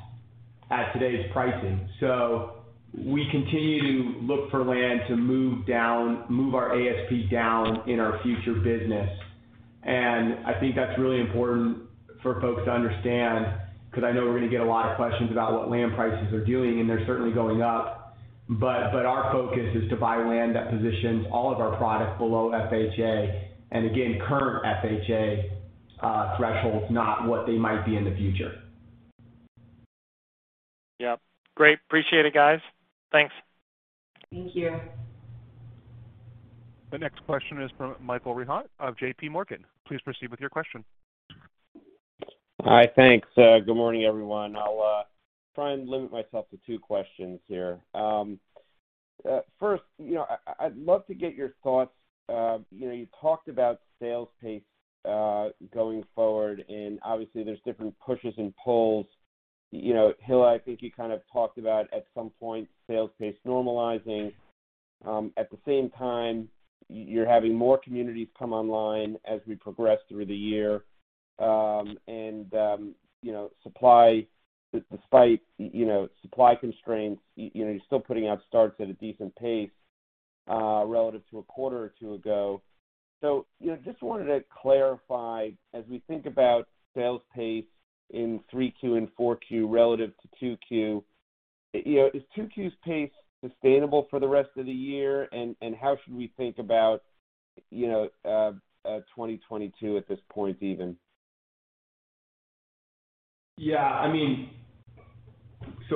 at today's pricing. We continue to look for land to move our ASP down in our future business, and I think that's really important for folks to understand, because I know we're going to get a lot of questions about what land prices are doing, and they're certainly going up. Our focus is to buy land that positions all of our product below FHA, and again, current FHA thresholds, not what they might be in the future. Yep. Great. Appreciate it, guys. Thanks. Thank you. The next question is from Michael Rehaut of JPMorgan. Please proceed with your question. Hi. Thanks. Good morning, everyone. I'll try and limit myself to two questions here. First, I'd love to get your thoughts. Obviously, there's different pushes and pulls. Hilla, I think you kind of talked about, at some point, sales pace normalizing. At the same time, you're having more communities come online as we progress through the year. Despite supply constraints, you're still putting out starts at a decent pace relative to a quarter or two ago. Just wanted to clarify, as we think about sales pace in 3Q and 4Q relative to 2Q, is 2Q's pace sustainable for the rest of the year, and how should we think about 2022 at this point, even?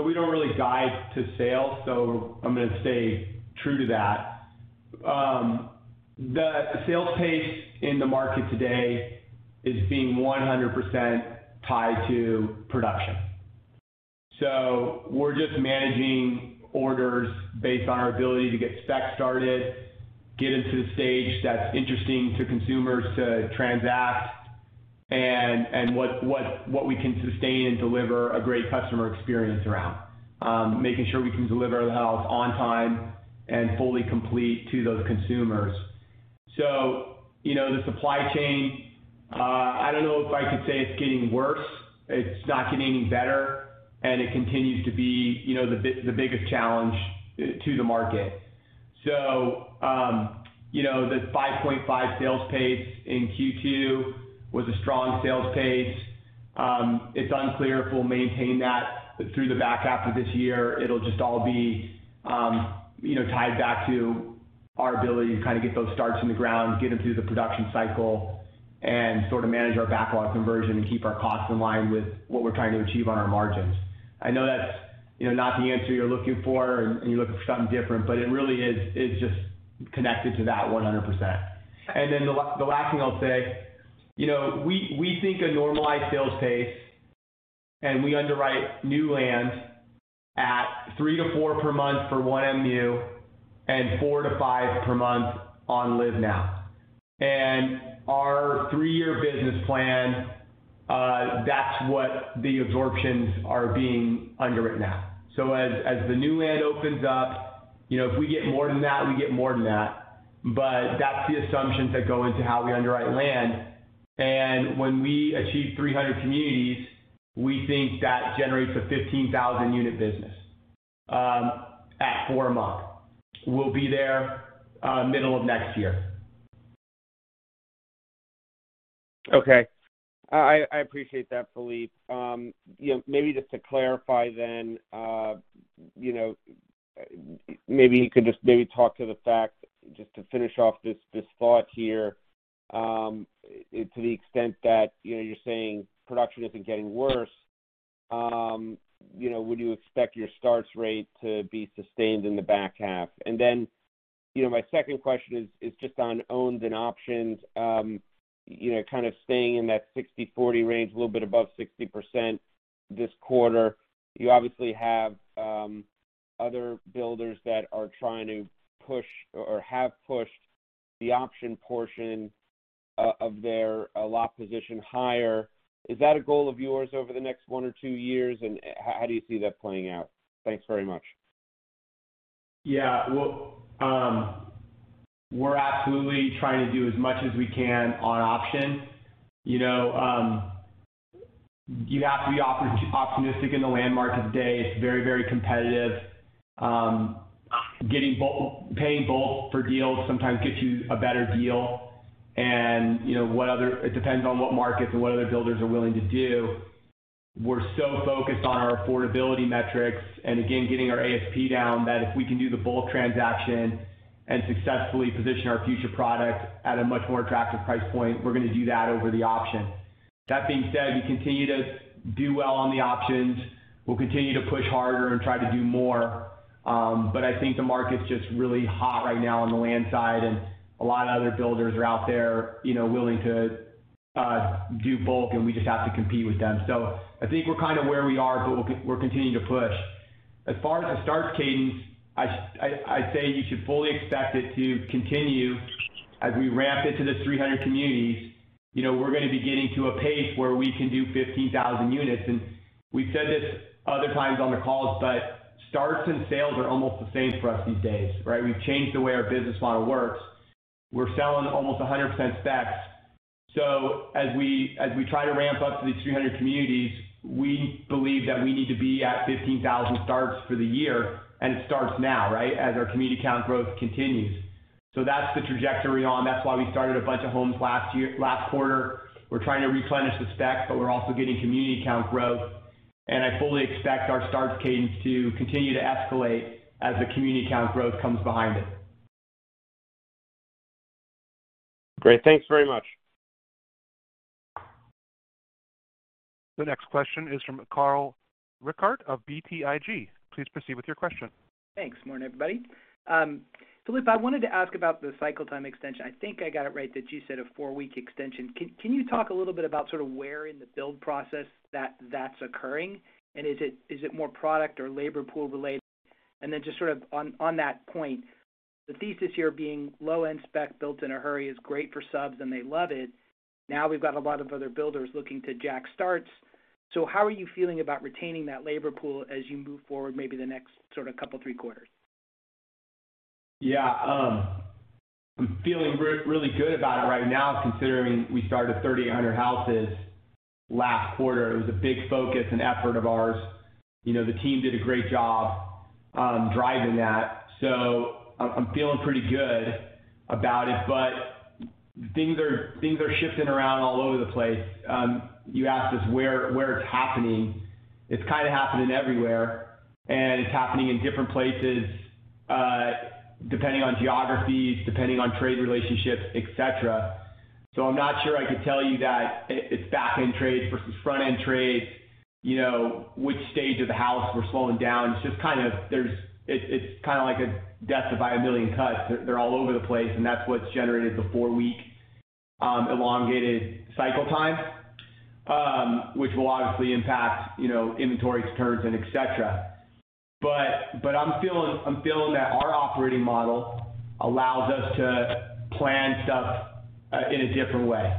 We don't really guide to sales, so I'm going to stay true to that. The sales pace in the market today is being 100% tied to production. We're just managing orders based on our ability to get spec started, get into the stage that's interesting to consumers to transact, and what we can sustain and deliver a great customer experience around. Making sure we can deliver the house on time and fully complete to those consumers. The supply chain, I don't know if I could say it's getting worse. It's not getting any better, and it continues to be the biggest challenge to the market. The 5.5 sales pace in Q2 was a strong sales pace. It's unclear if we'll maintain that through the back half of this year. It'll just all be tied back to our ability to kind of get those starts in the ground, get them through the production cycle, and sort of manage our backlog conversion and keep our costs in line with what we're trying to achieve on our margins. That's not the answer you're looking for, and you're looking for something different, it really is just connected to that 100%. The last thing I'll say, we think a normalized sales pace, and we underwrite new land at three to four per month for 1MU and four to five per month on LiVE.NOW. Our three-year business plan, that's what the absorptions are being underwritten at. As the new land opens up, if we get more than that, we get more than that. That's the assumptions that go into how we underwrite land. When we achieve 300 communities, we think that generates a 15,000 unit business at four a month. We'll be there middle of next year. Okay. I appreciate that, Phillippe. Maybe just to clarify then, maybe you could just talk to the fact, just to finish off this thought here, to the extent that you're saying production isn't getting worse, would you expect your starts rate to be sustained in the back half? My second question is just on owned and optioned. Kind of staying in that 60/40 range, a little bit above 60% this quarter. You obviously have other builders that are trying to push, or have pushed the option portion of their lot position higher. Is that a goal of yours over the next one or two years, and how do you see that playing out? Thanks very much. Yeah. We're absolutely trying to do as much as we can on option. You have to be optimistic in the land market today. It's very competitive. Paying bulk for deals sometimes gets you a better deal. It depends on what markets and what other builders are willing to do. We're so focused on our affordability metrics and again, getting our ASP down, that if we can do the bulk transaction and successfully position our future product at a much more attractive price point, we're going to do that over the option. That being said, we continue to do well on the options. We'll continue to push harder and try to do more. I think the market's just really hot right now on the land side, and a lot of other builders are out there willing to do bulk, and we just have to compete with them. I think we're kind of where we are, but we're continuing to push. As far as the starts cadence, I'd say you should fully expect it to continue as we ramp it to the 300 communities. We're going to be getting to a pace where we can do 15,000 units. We've said this other times on the calls, but starts and sales are almost the same for us these days, right? We've changed the way our business model works. We're selling almost 100% specs. As we try to ramp up to these 300 communities, we believe that we need to be at 15,000 starts for the year, and it starts now, right? As our community count growth continues. That's the trajectory on, that's why we started a bunch of homes last quarter. We're trying to replenish the specs, but we're also getting community count growth. I fully expect our starts cadence to continue to escalate as the community count growth comes behind it. Great. Thanks very much. The next question is from Carl Reichardt of BTIG. Please proceed with your question. Thanks. Morning, everybody. Phillippe, I wanted to ask about the cycle time extension. I think I got it right that you said a four-week extension. Can you talk a little bit about sort of where in the build process that's occurring, and is it more product or labor pool related? Just sort of on that point, the thesis here being low-end spec built in a hurry is great for subs and they love it. Now we've got a lot of other builders looking to jack starts. How are you feeling about retaining that labor pool as you move forward maybe the next sort of couple three quarters? Yeah. I'm feeling really good about it right now considering we started 3,800 houses last quarter. It was a big focus and effort of ours. The team did a great job driving that. I'm feeling pretty good about it. Things are shifting around all over the place. You asked us where it's happening. It's kind of happening everywhere and it's happening in different places, depending on geographies, depending on trade relationships, et cetera. I'm not sure I could tell you that it's back-end trades versus front-end trades, which stage of the house we're slowing down. It's kind of like a death by a million cuts. They're all over the place, and that's what's generated the four-week elongated cycle time, which will obviously impact inventory turns and et cetera. I'm feeling that our operating model allows us to plan stuff in a different way.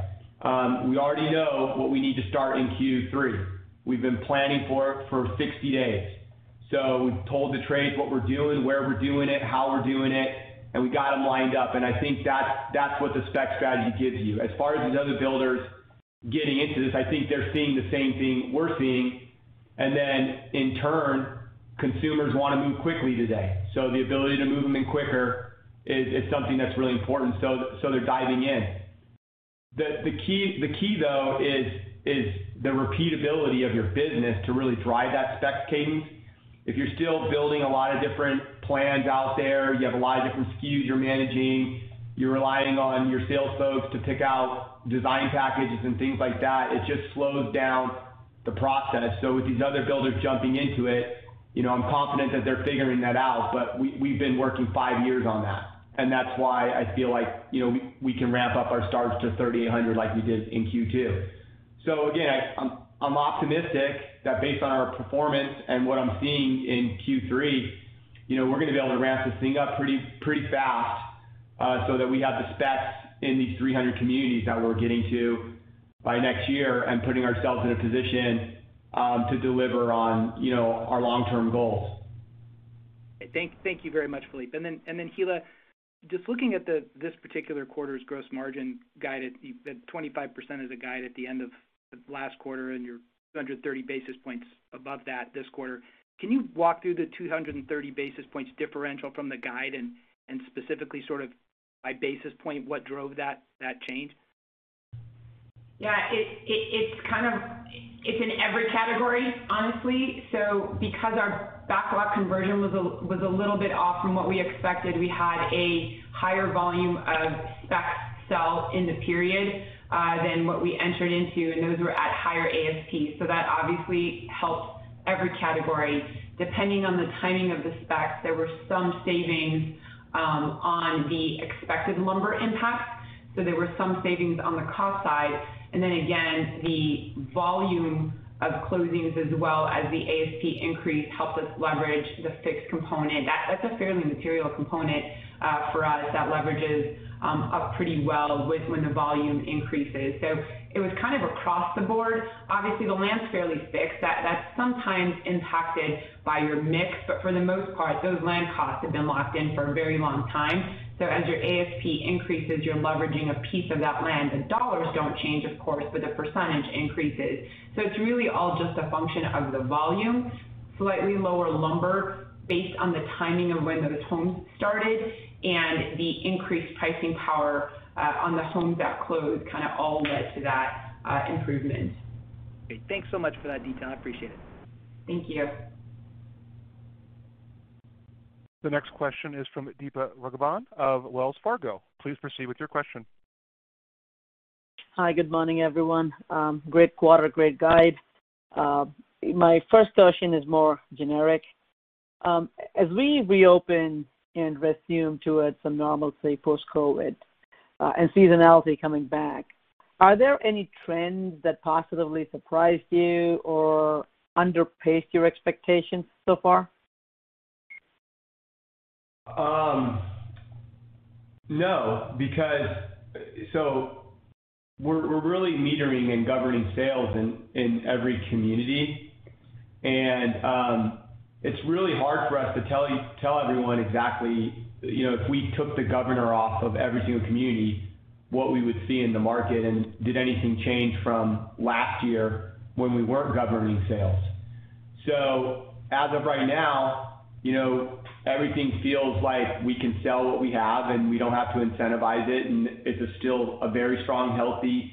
We already know what we need to start in Q3. We've been planning for it for 60 days. Told the trades what we're doing, where we're doing it, how we're doing it, and we got them lined up, and I think that's what the spec strategy gives you. As far as these other builders getting into this, I think they're seeing the same thing we're seeing. In turn, consumers want to move quickly today. The ability to move them in quicker is something that's really important. They're diving in. The key though is the repeatability of your business to really drive that specs cadence. If you're still building a lot of different plans out there, you have a lot of different SKUs you're managing, you're relying on your sales folks to pick out design packages and things like that, it just slows down the process. With these other builders jumping into it, I'm confident that they're figuring that out. We've been working five years on that, and that's why I feel like we can ramp up our starts to 3,800 like we did in Q2. Again, I'm optimistic that based on our performance and what I'm seeing in Q3, we're going to be able to ramp this thing up pretty fast so that we have the specs in these 300 communities that we're getting to by next year and putting ourselves in a position to deliver on our long-term goals. Thank you very much, Phillippe. Hilla, just looking at this particular quarter's gross margin guidance, that 25% as a guide at the end of last quarter and you're 230 basis points above that this quarter. Can you walk through the 230 basis points differential from the guide and specifically sort of by basis point what drove that change? Yeah. It's in every category, honestly. Because our backlog conversion was a little bit off from what we expected, we had a higher volume of spec sales in the period than what we entered into, and those were at higher ASPs. That obviously helped every category. Depending on the timing of the specs, there were some savings on the expected lumber impact. There were some savings on the cost side. Again, the volume of closings as well as the ASP increase helped us leverage the fixed component. That's a fairly material component for us that leverages up pretty well when the volume increases. It was kind of across the board. Obviously, the land's fairly fixed. That's sometimes impacted by your mix, but for the most part, those land costs have been locked in for a very long time. As your ASP increases, you're leveraging a piece of that land. The dollars don't change, of course, but the percentage increases. It's really all just a function of the volume. Slightly lower lumber based on the timing of when those homes started and the increased pricing power on the homes that closed, kind of all led to that improvement. Great. Thanks so much for that detail. I appreciate it. Thank you. The next question is from Deepa Raghavan of Wells Fargo. Please proceed with your question. Hi, good morning, everyone. Great quarter, great guide. My first question is more generic. As we reopen and resume towards some normalcy post-COVID, and seasonality coming back, are there any trends that positively surprised you or under-paced your expectations so far? No, because we're really metering and governing sales in every community. It's really hard for us to tell everyone exactly, if we took the governor off of every single community, what we would see in the market, and did anything change from last year when we weren't governing sales? As of right now, everything feels like we can sell what we have, and we don't have to incentivize it, and it's still a very strong, healthy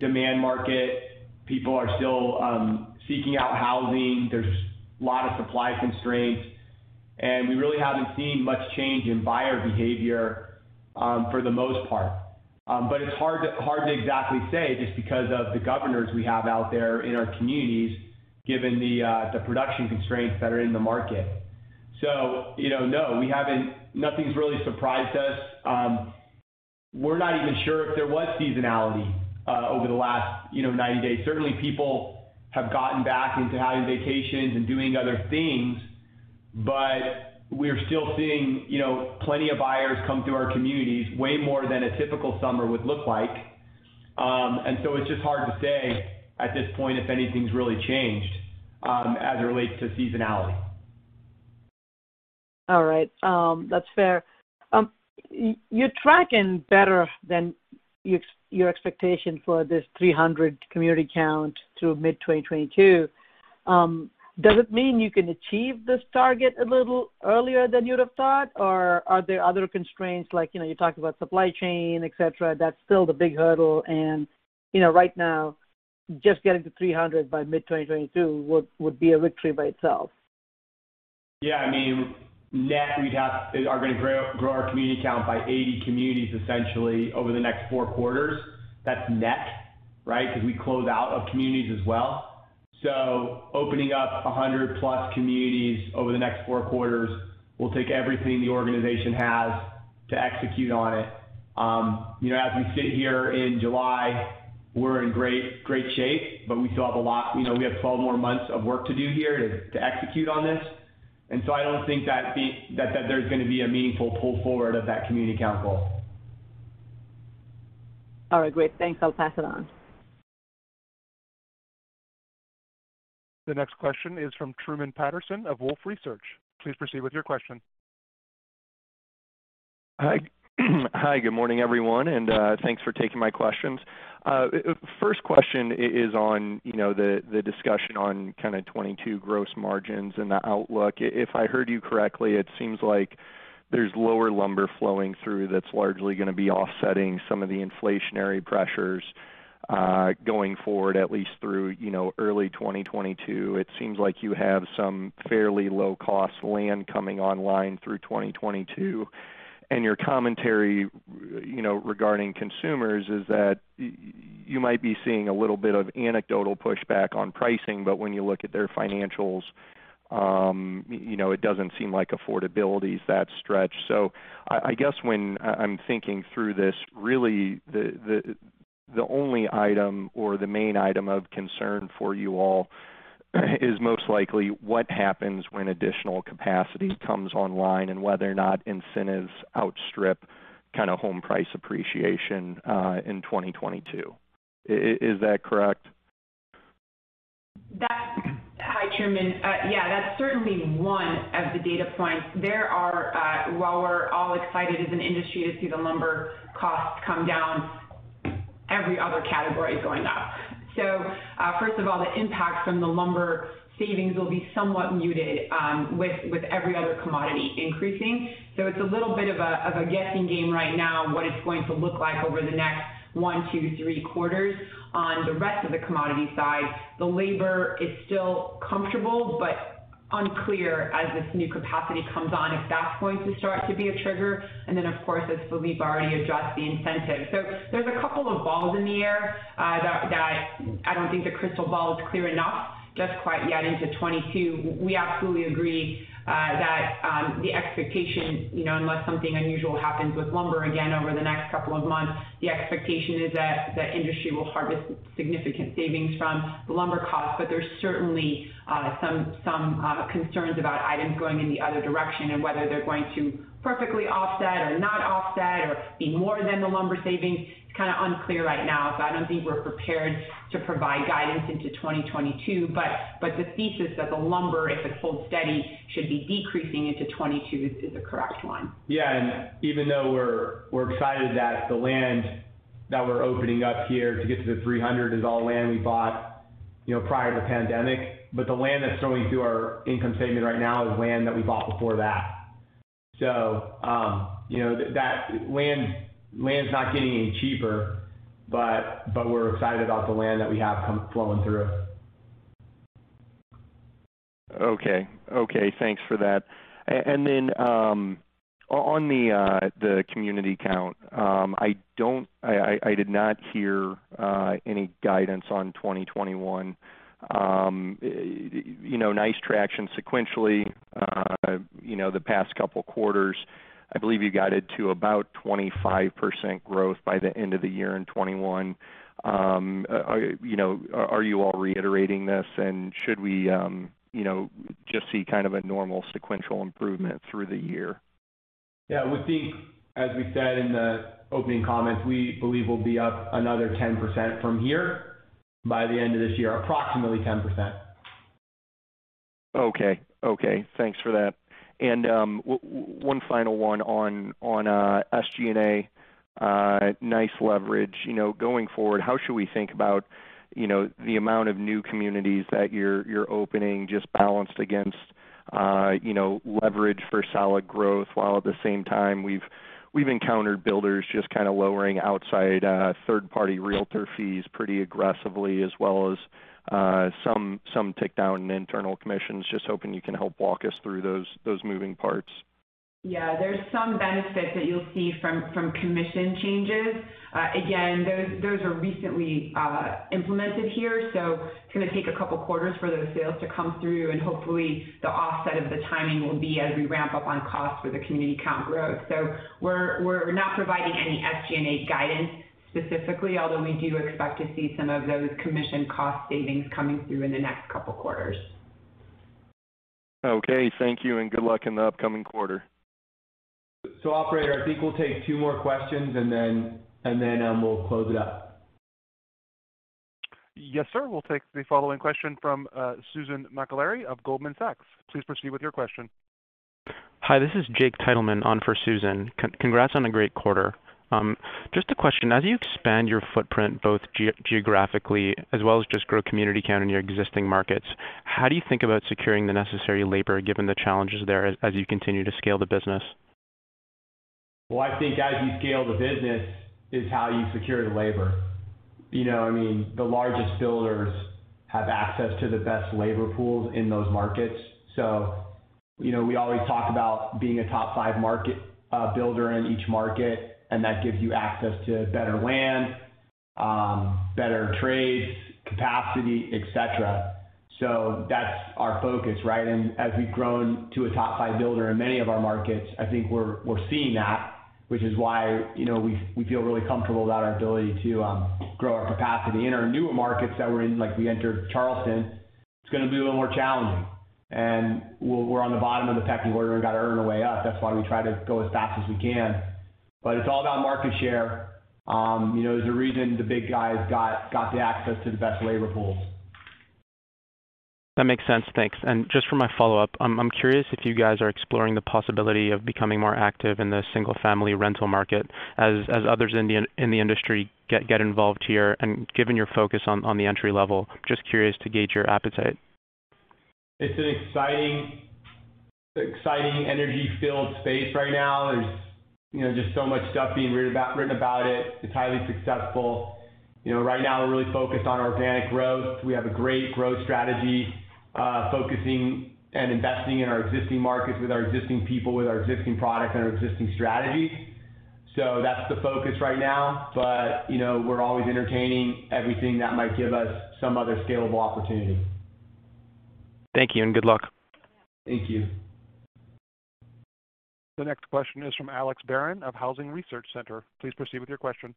demand market. People are still seeking out housing. There's a lot of supply constraints. We really haven't seen much change in buyer behavior, for the most part. It's hard to exactly say just because of the governors we have out there in our communities, given the production constraints that are in the market. No, nothing's really surprised us. We're not even sure if there was seasonality over the last 90 days. Certainly, people have gotten back into having vacations and doing other things. We're still seeing plenty of buyers come through our communities, way more than a typical summer would look like. It's just hard to say at this point if anything's really changed, as it relates to seasonality. All right. That's fair. You're tracking better than your expectation for this 300 community count through mid-2022. Does it mean you can achieve this target a little earlier than you'd have thought? Or are there other constraints like, you talked about supply chain, et cetera, that's still the big hurdle and right now just getting to 300 by mid-2022 would be a victory by itself? Yeah. Net, we are going to grow our community count by 80 communities essentially over the next four quarters. That's net. Because we close out of communities as well. Opening up 100+ communities over the next four quarters will take everything the organization has to execute on it. As we sit here in July, we're in great shape, but we still have 12 more months of work to do here to execute on this. I don't think that there's going to be a meaningful pull forward of that community count goal. All right, great. Thanks, I'll pass it on. The next question is from Truman Patterson of Wolfe Research. Please proceed with your question. Hi, good morning, everyone, and thanks for taking my questions. First question is on the discussion on kind of 2022 gross margins and the outlook. If I heard you correctly, it seems like there's lower lumber flowing through that's largely going to be offsetting some of the inflationary pressures, going forward, at least through early 2022. It seems like you have some fairly low-cost land coming online through 2022. Your commentary regarding consumers is that you might be seeing a little bit of anecdotal pushback on pricing, but when you look at their financials, it doesn't seem like affordability is that stretched. I guess when I'm thinking through this, really the only item or the main item of concern for you all is most likely what happens when additional capacity comes online and whether or not incentives outstrip home price appreciation in 2022. Is that correct? Hi, Truman. Yeah, that's certainly one of the data points. While we're all excited as an industry to see the lumber costs come down, every other category is going up. First of all, the impact from the lumber savings will be somewhat muted with every other commodity increasing. It's a little bit of a guessing game right now what it's going to look like over the next one, two, three quarters on the rest of the commodity side. The labor is still comfortable, but unclear as this new capacity comes on, if that's going to start to be a trigger. Of course, as Phillippe already addressed, the incentive. There's a couple of balls in the air that I don't think the crystal ball is clear enough just quite yet into 2022. We absolutely agree that the expectation, unless something unusual happens with lumber again over the next couple of months, the expectation is that the industry will harvest significant savings from the lumber cost. There's certainly some concerns about items going in the other direction and whether they're going to perfectly offset or not offset or be more than the lumber savings. It's kind of unclear right now. I don't think we're prepared to provide guidance into 2022. The thesis that the lumber, if it holds steady, should be decreasing into 2022 is a correct one. Yeah, even though we're excited that the land that we're opening up here to get to the 300 is all land we bought prior to the pandemic. The land that's flowing through our income statement right now is land that we bought before that. Land's not getting any cheaper, but we're excited about the land that we have flowing through. Okay. Thanks for that. On the community count, I did not hear any guidance on 2021. Nice traction sequentially, the past couple quarters. I believe you guided to about 25% growth by the end of the year in 2021. Are you all reiterating this? Should we just see kind of a normal sequential improvement through the year? Yeah, we think, as we said in the opening comments, we believe we'll be up another 10% from here by the end of this year, approximately 10%. Okay. Thanks for that. One final one on SG&A. Nice leverage. Going forward, how should we think about the amount of new communities that you're opening just balanced against leverage for solid growth, while at the same time, we've encountered builders just kind of lowering outside third-party realtor fees pretty aggressively as well as some takedown in internal commissions. Just hoping you can help walk us through those moving parts. There's some benefit that you'll see from commission changes. Again, those are recently implemented here, so it's going to take a couple quarters for those sales to come through and hopefully the offset of the timing will be as we ramp up on costs with the community count growth. We're not providing any SG&A guidance specifically, although we do expect to see some of those commission cost savings coming through in the next couple quarters. Okay. Thank you and good luck in the upcoming quarter. Operator, I think we'll take two more questions and then we'll close it up. Yes, sir. We'll take the following question from Susan Maklari, Analyst, of Goldman Sachs. Please proceed with your question. Hi, this is Jake Titleman on for Susan. Congrats on a great quarter. Just a question. As you expand your footprint both geographically as well as just grow community count in your existing markets, how do you think about securing the necessary labor given the challenges there as you continue to scale the business? I think as you scale the business is how you secure the labor. The largest builders have access to the best labor pools in those markets. We always talk about being a top five builder in each market, and that gives you access to better land, better trades, capacity, et cetera. That's our focus. As we've grown to a top five builder in many of our markets, I think we're seeing that, which is why we feel really comfortable about our ability to grow our capacity. In our newer markets that we're in, like we entered Charleston, it's going to be a little more challenging. We're on the bottom of the pecking order and got to earn our way up. That's why we try to go as fast as we can. It's all about market share. There's a reason the big guys got the access to the best labor pools. That makes sense. Thanks. Just for my follow-up, I'm curious if you guys are exploring the possibility of becoming more active in the single-family rental market as others in the industry get involved here. Given your focus on the entry level, just curious to gauge your appetite. It's an exciting, energy filled space right now. There's just so much stuff being written about it. It's highly successful. Right now we're really focused on organic growth. We have a great growth strategy, focusing and investing in our existing markets with our existing people, with our existing product and our existing strategy. That's the focus right now. We're always entertaining everything that might give us some other scalable opportunity. Thank you and good luck. Thank you. The next question is from Alex Barron of Housing Research Center. Please proceed with your question.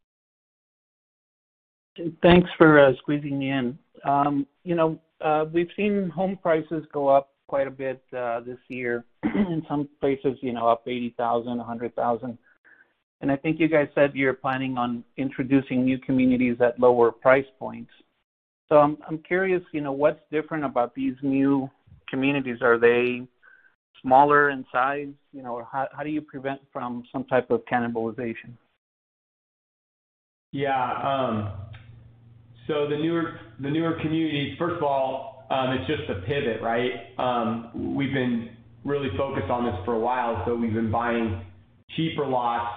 Thanks for squeezing me in. We've seen home prices go up quite a bit this year, in some places up $80,000, $100,000. I think you guys said you're planning on introducing new communities at lower price points. I'm curious, what's different about these new communities? Are they smaller in size? How do you prevent from some type of cannibalization? The newer communities, first of all, it's just a pivot. We've been really focused on this for a while, so we've been buying cheaper lots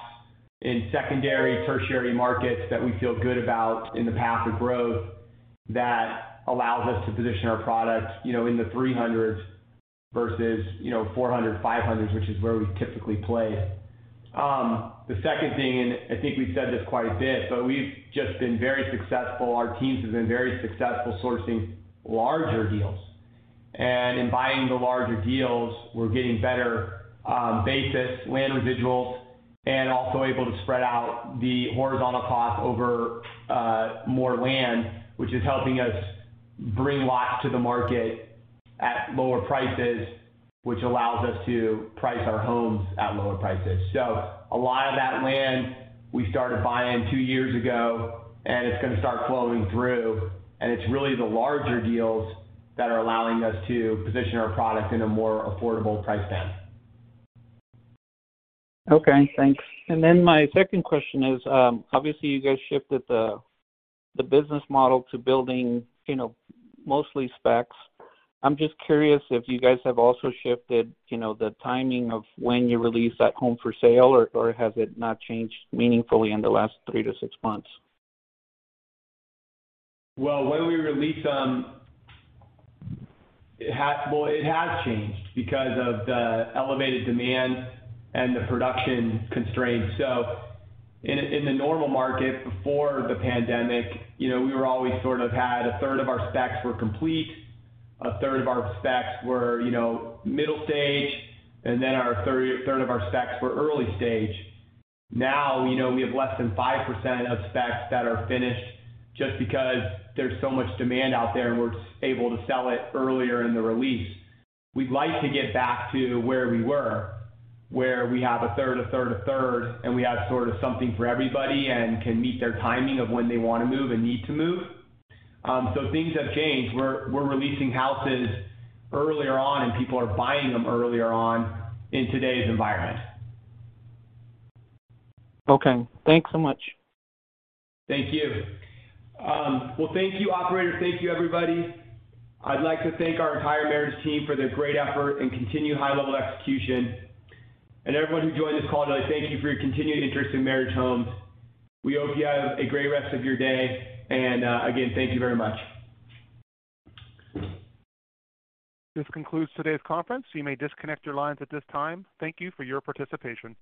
in secondary, tertiary markets that we feel good about in the path of growth that allows us to position our products in the $300s versus $400, $500s, which is where we typically play. The second thing, and I think we've said this quite a bit, but we've just been very successful. Our teams have been very successful sourcing larger deals. In buying the larger deals, we're getting better basis land residuals and also able to spread out the horizontal costs over more land, which is helping us bring lots to the market at lower prices, which allows us to price our homes at lower prices. A lot of that land we started buying two years ago and it's going to start flowing through, and it's really the larger deals that are allowing us to position our product in a more affordable price band. Okay, thanks. My second question is, obviously you guys shifted the business model to building mostly specs. I'm just curious if you guys have also shifted the timing of when you release that home for sale or has it not changed meaningfully in the last three to six months? Well, when we release them, it has changed because of the elevated demand and the production constraints. In the normal market before the pandemic, we were always sort of had a third of our specs were complete, a third of our specs were middle stage, and then a third of our specs were early stage. Now, we have less than 5% of specs that are finished just because there's so much demand out there and we're able to sell it earlier in the release. We'd like to get back to where we were, where we have a third, a third, a third, and we have sort of something for everybody and can meet their timing of when they want to move and need to move. Things have changed. We're releasing houses earlier on and people are buying them earlier on in today's environment. Okay. Thanks so much. Thank you. Well, thank you operator. Thank you everybody. I'd like to thank our entire Meritage team for their great effort and continued high level execution. Everyone who joined this call today, thank you for your continued interest in Meritage Homes. We hope you have a great rest of your day. Again, thank you very much. This concludes today's conference. You may disconnect your lines at this time. Thank you for your participation.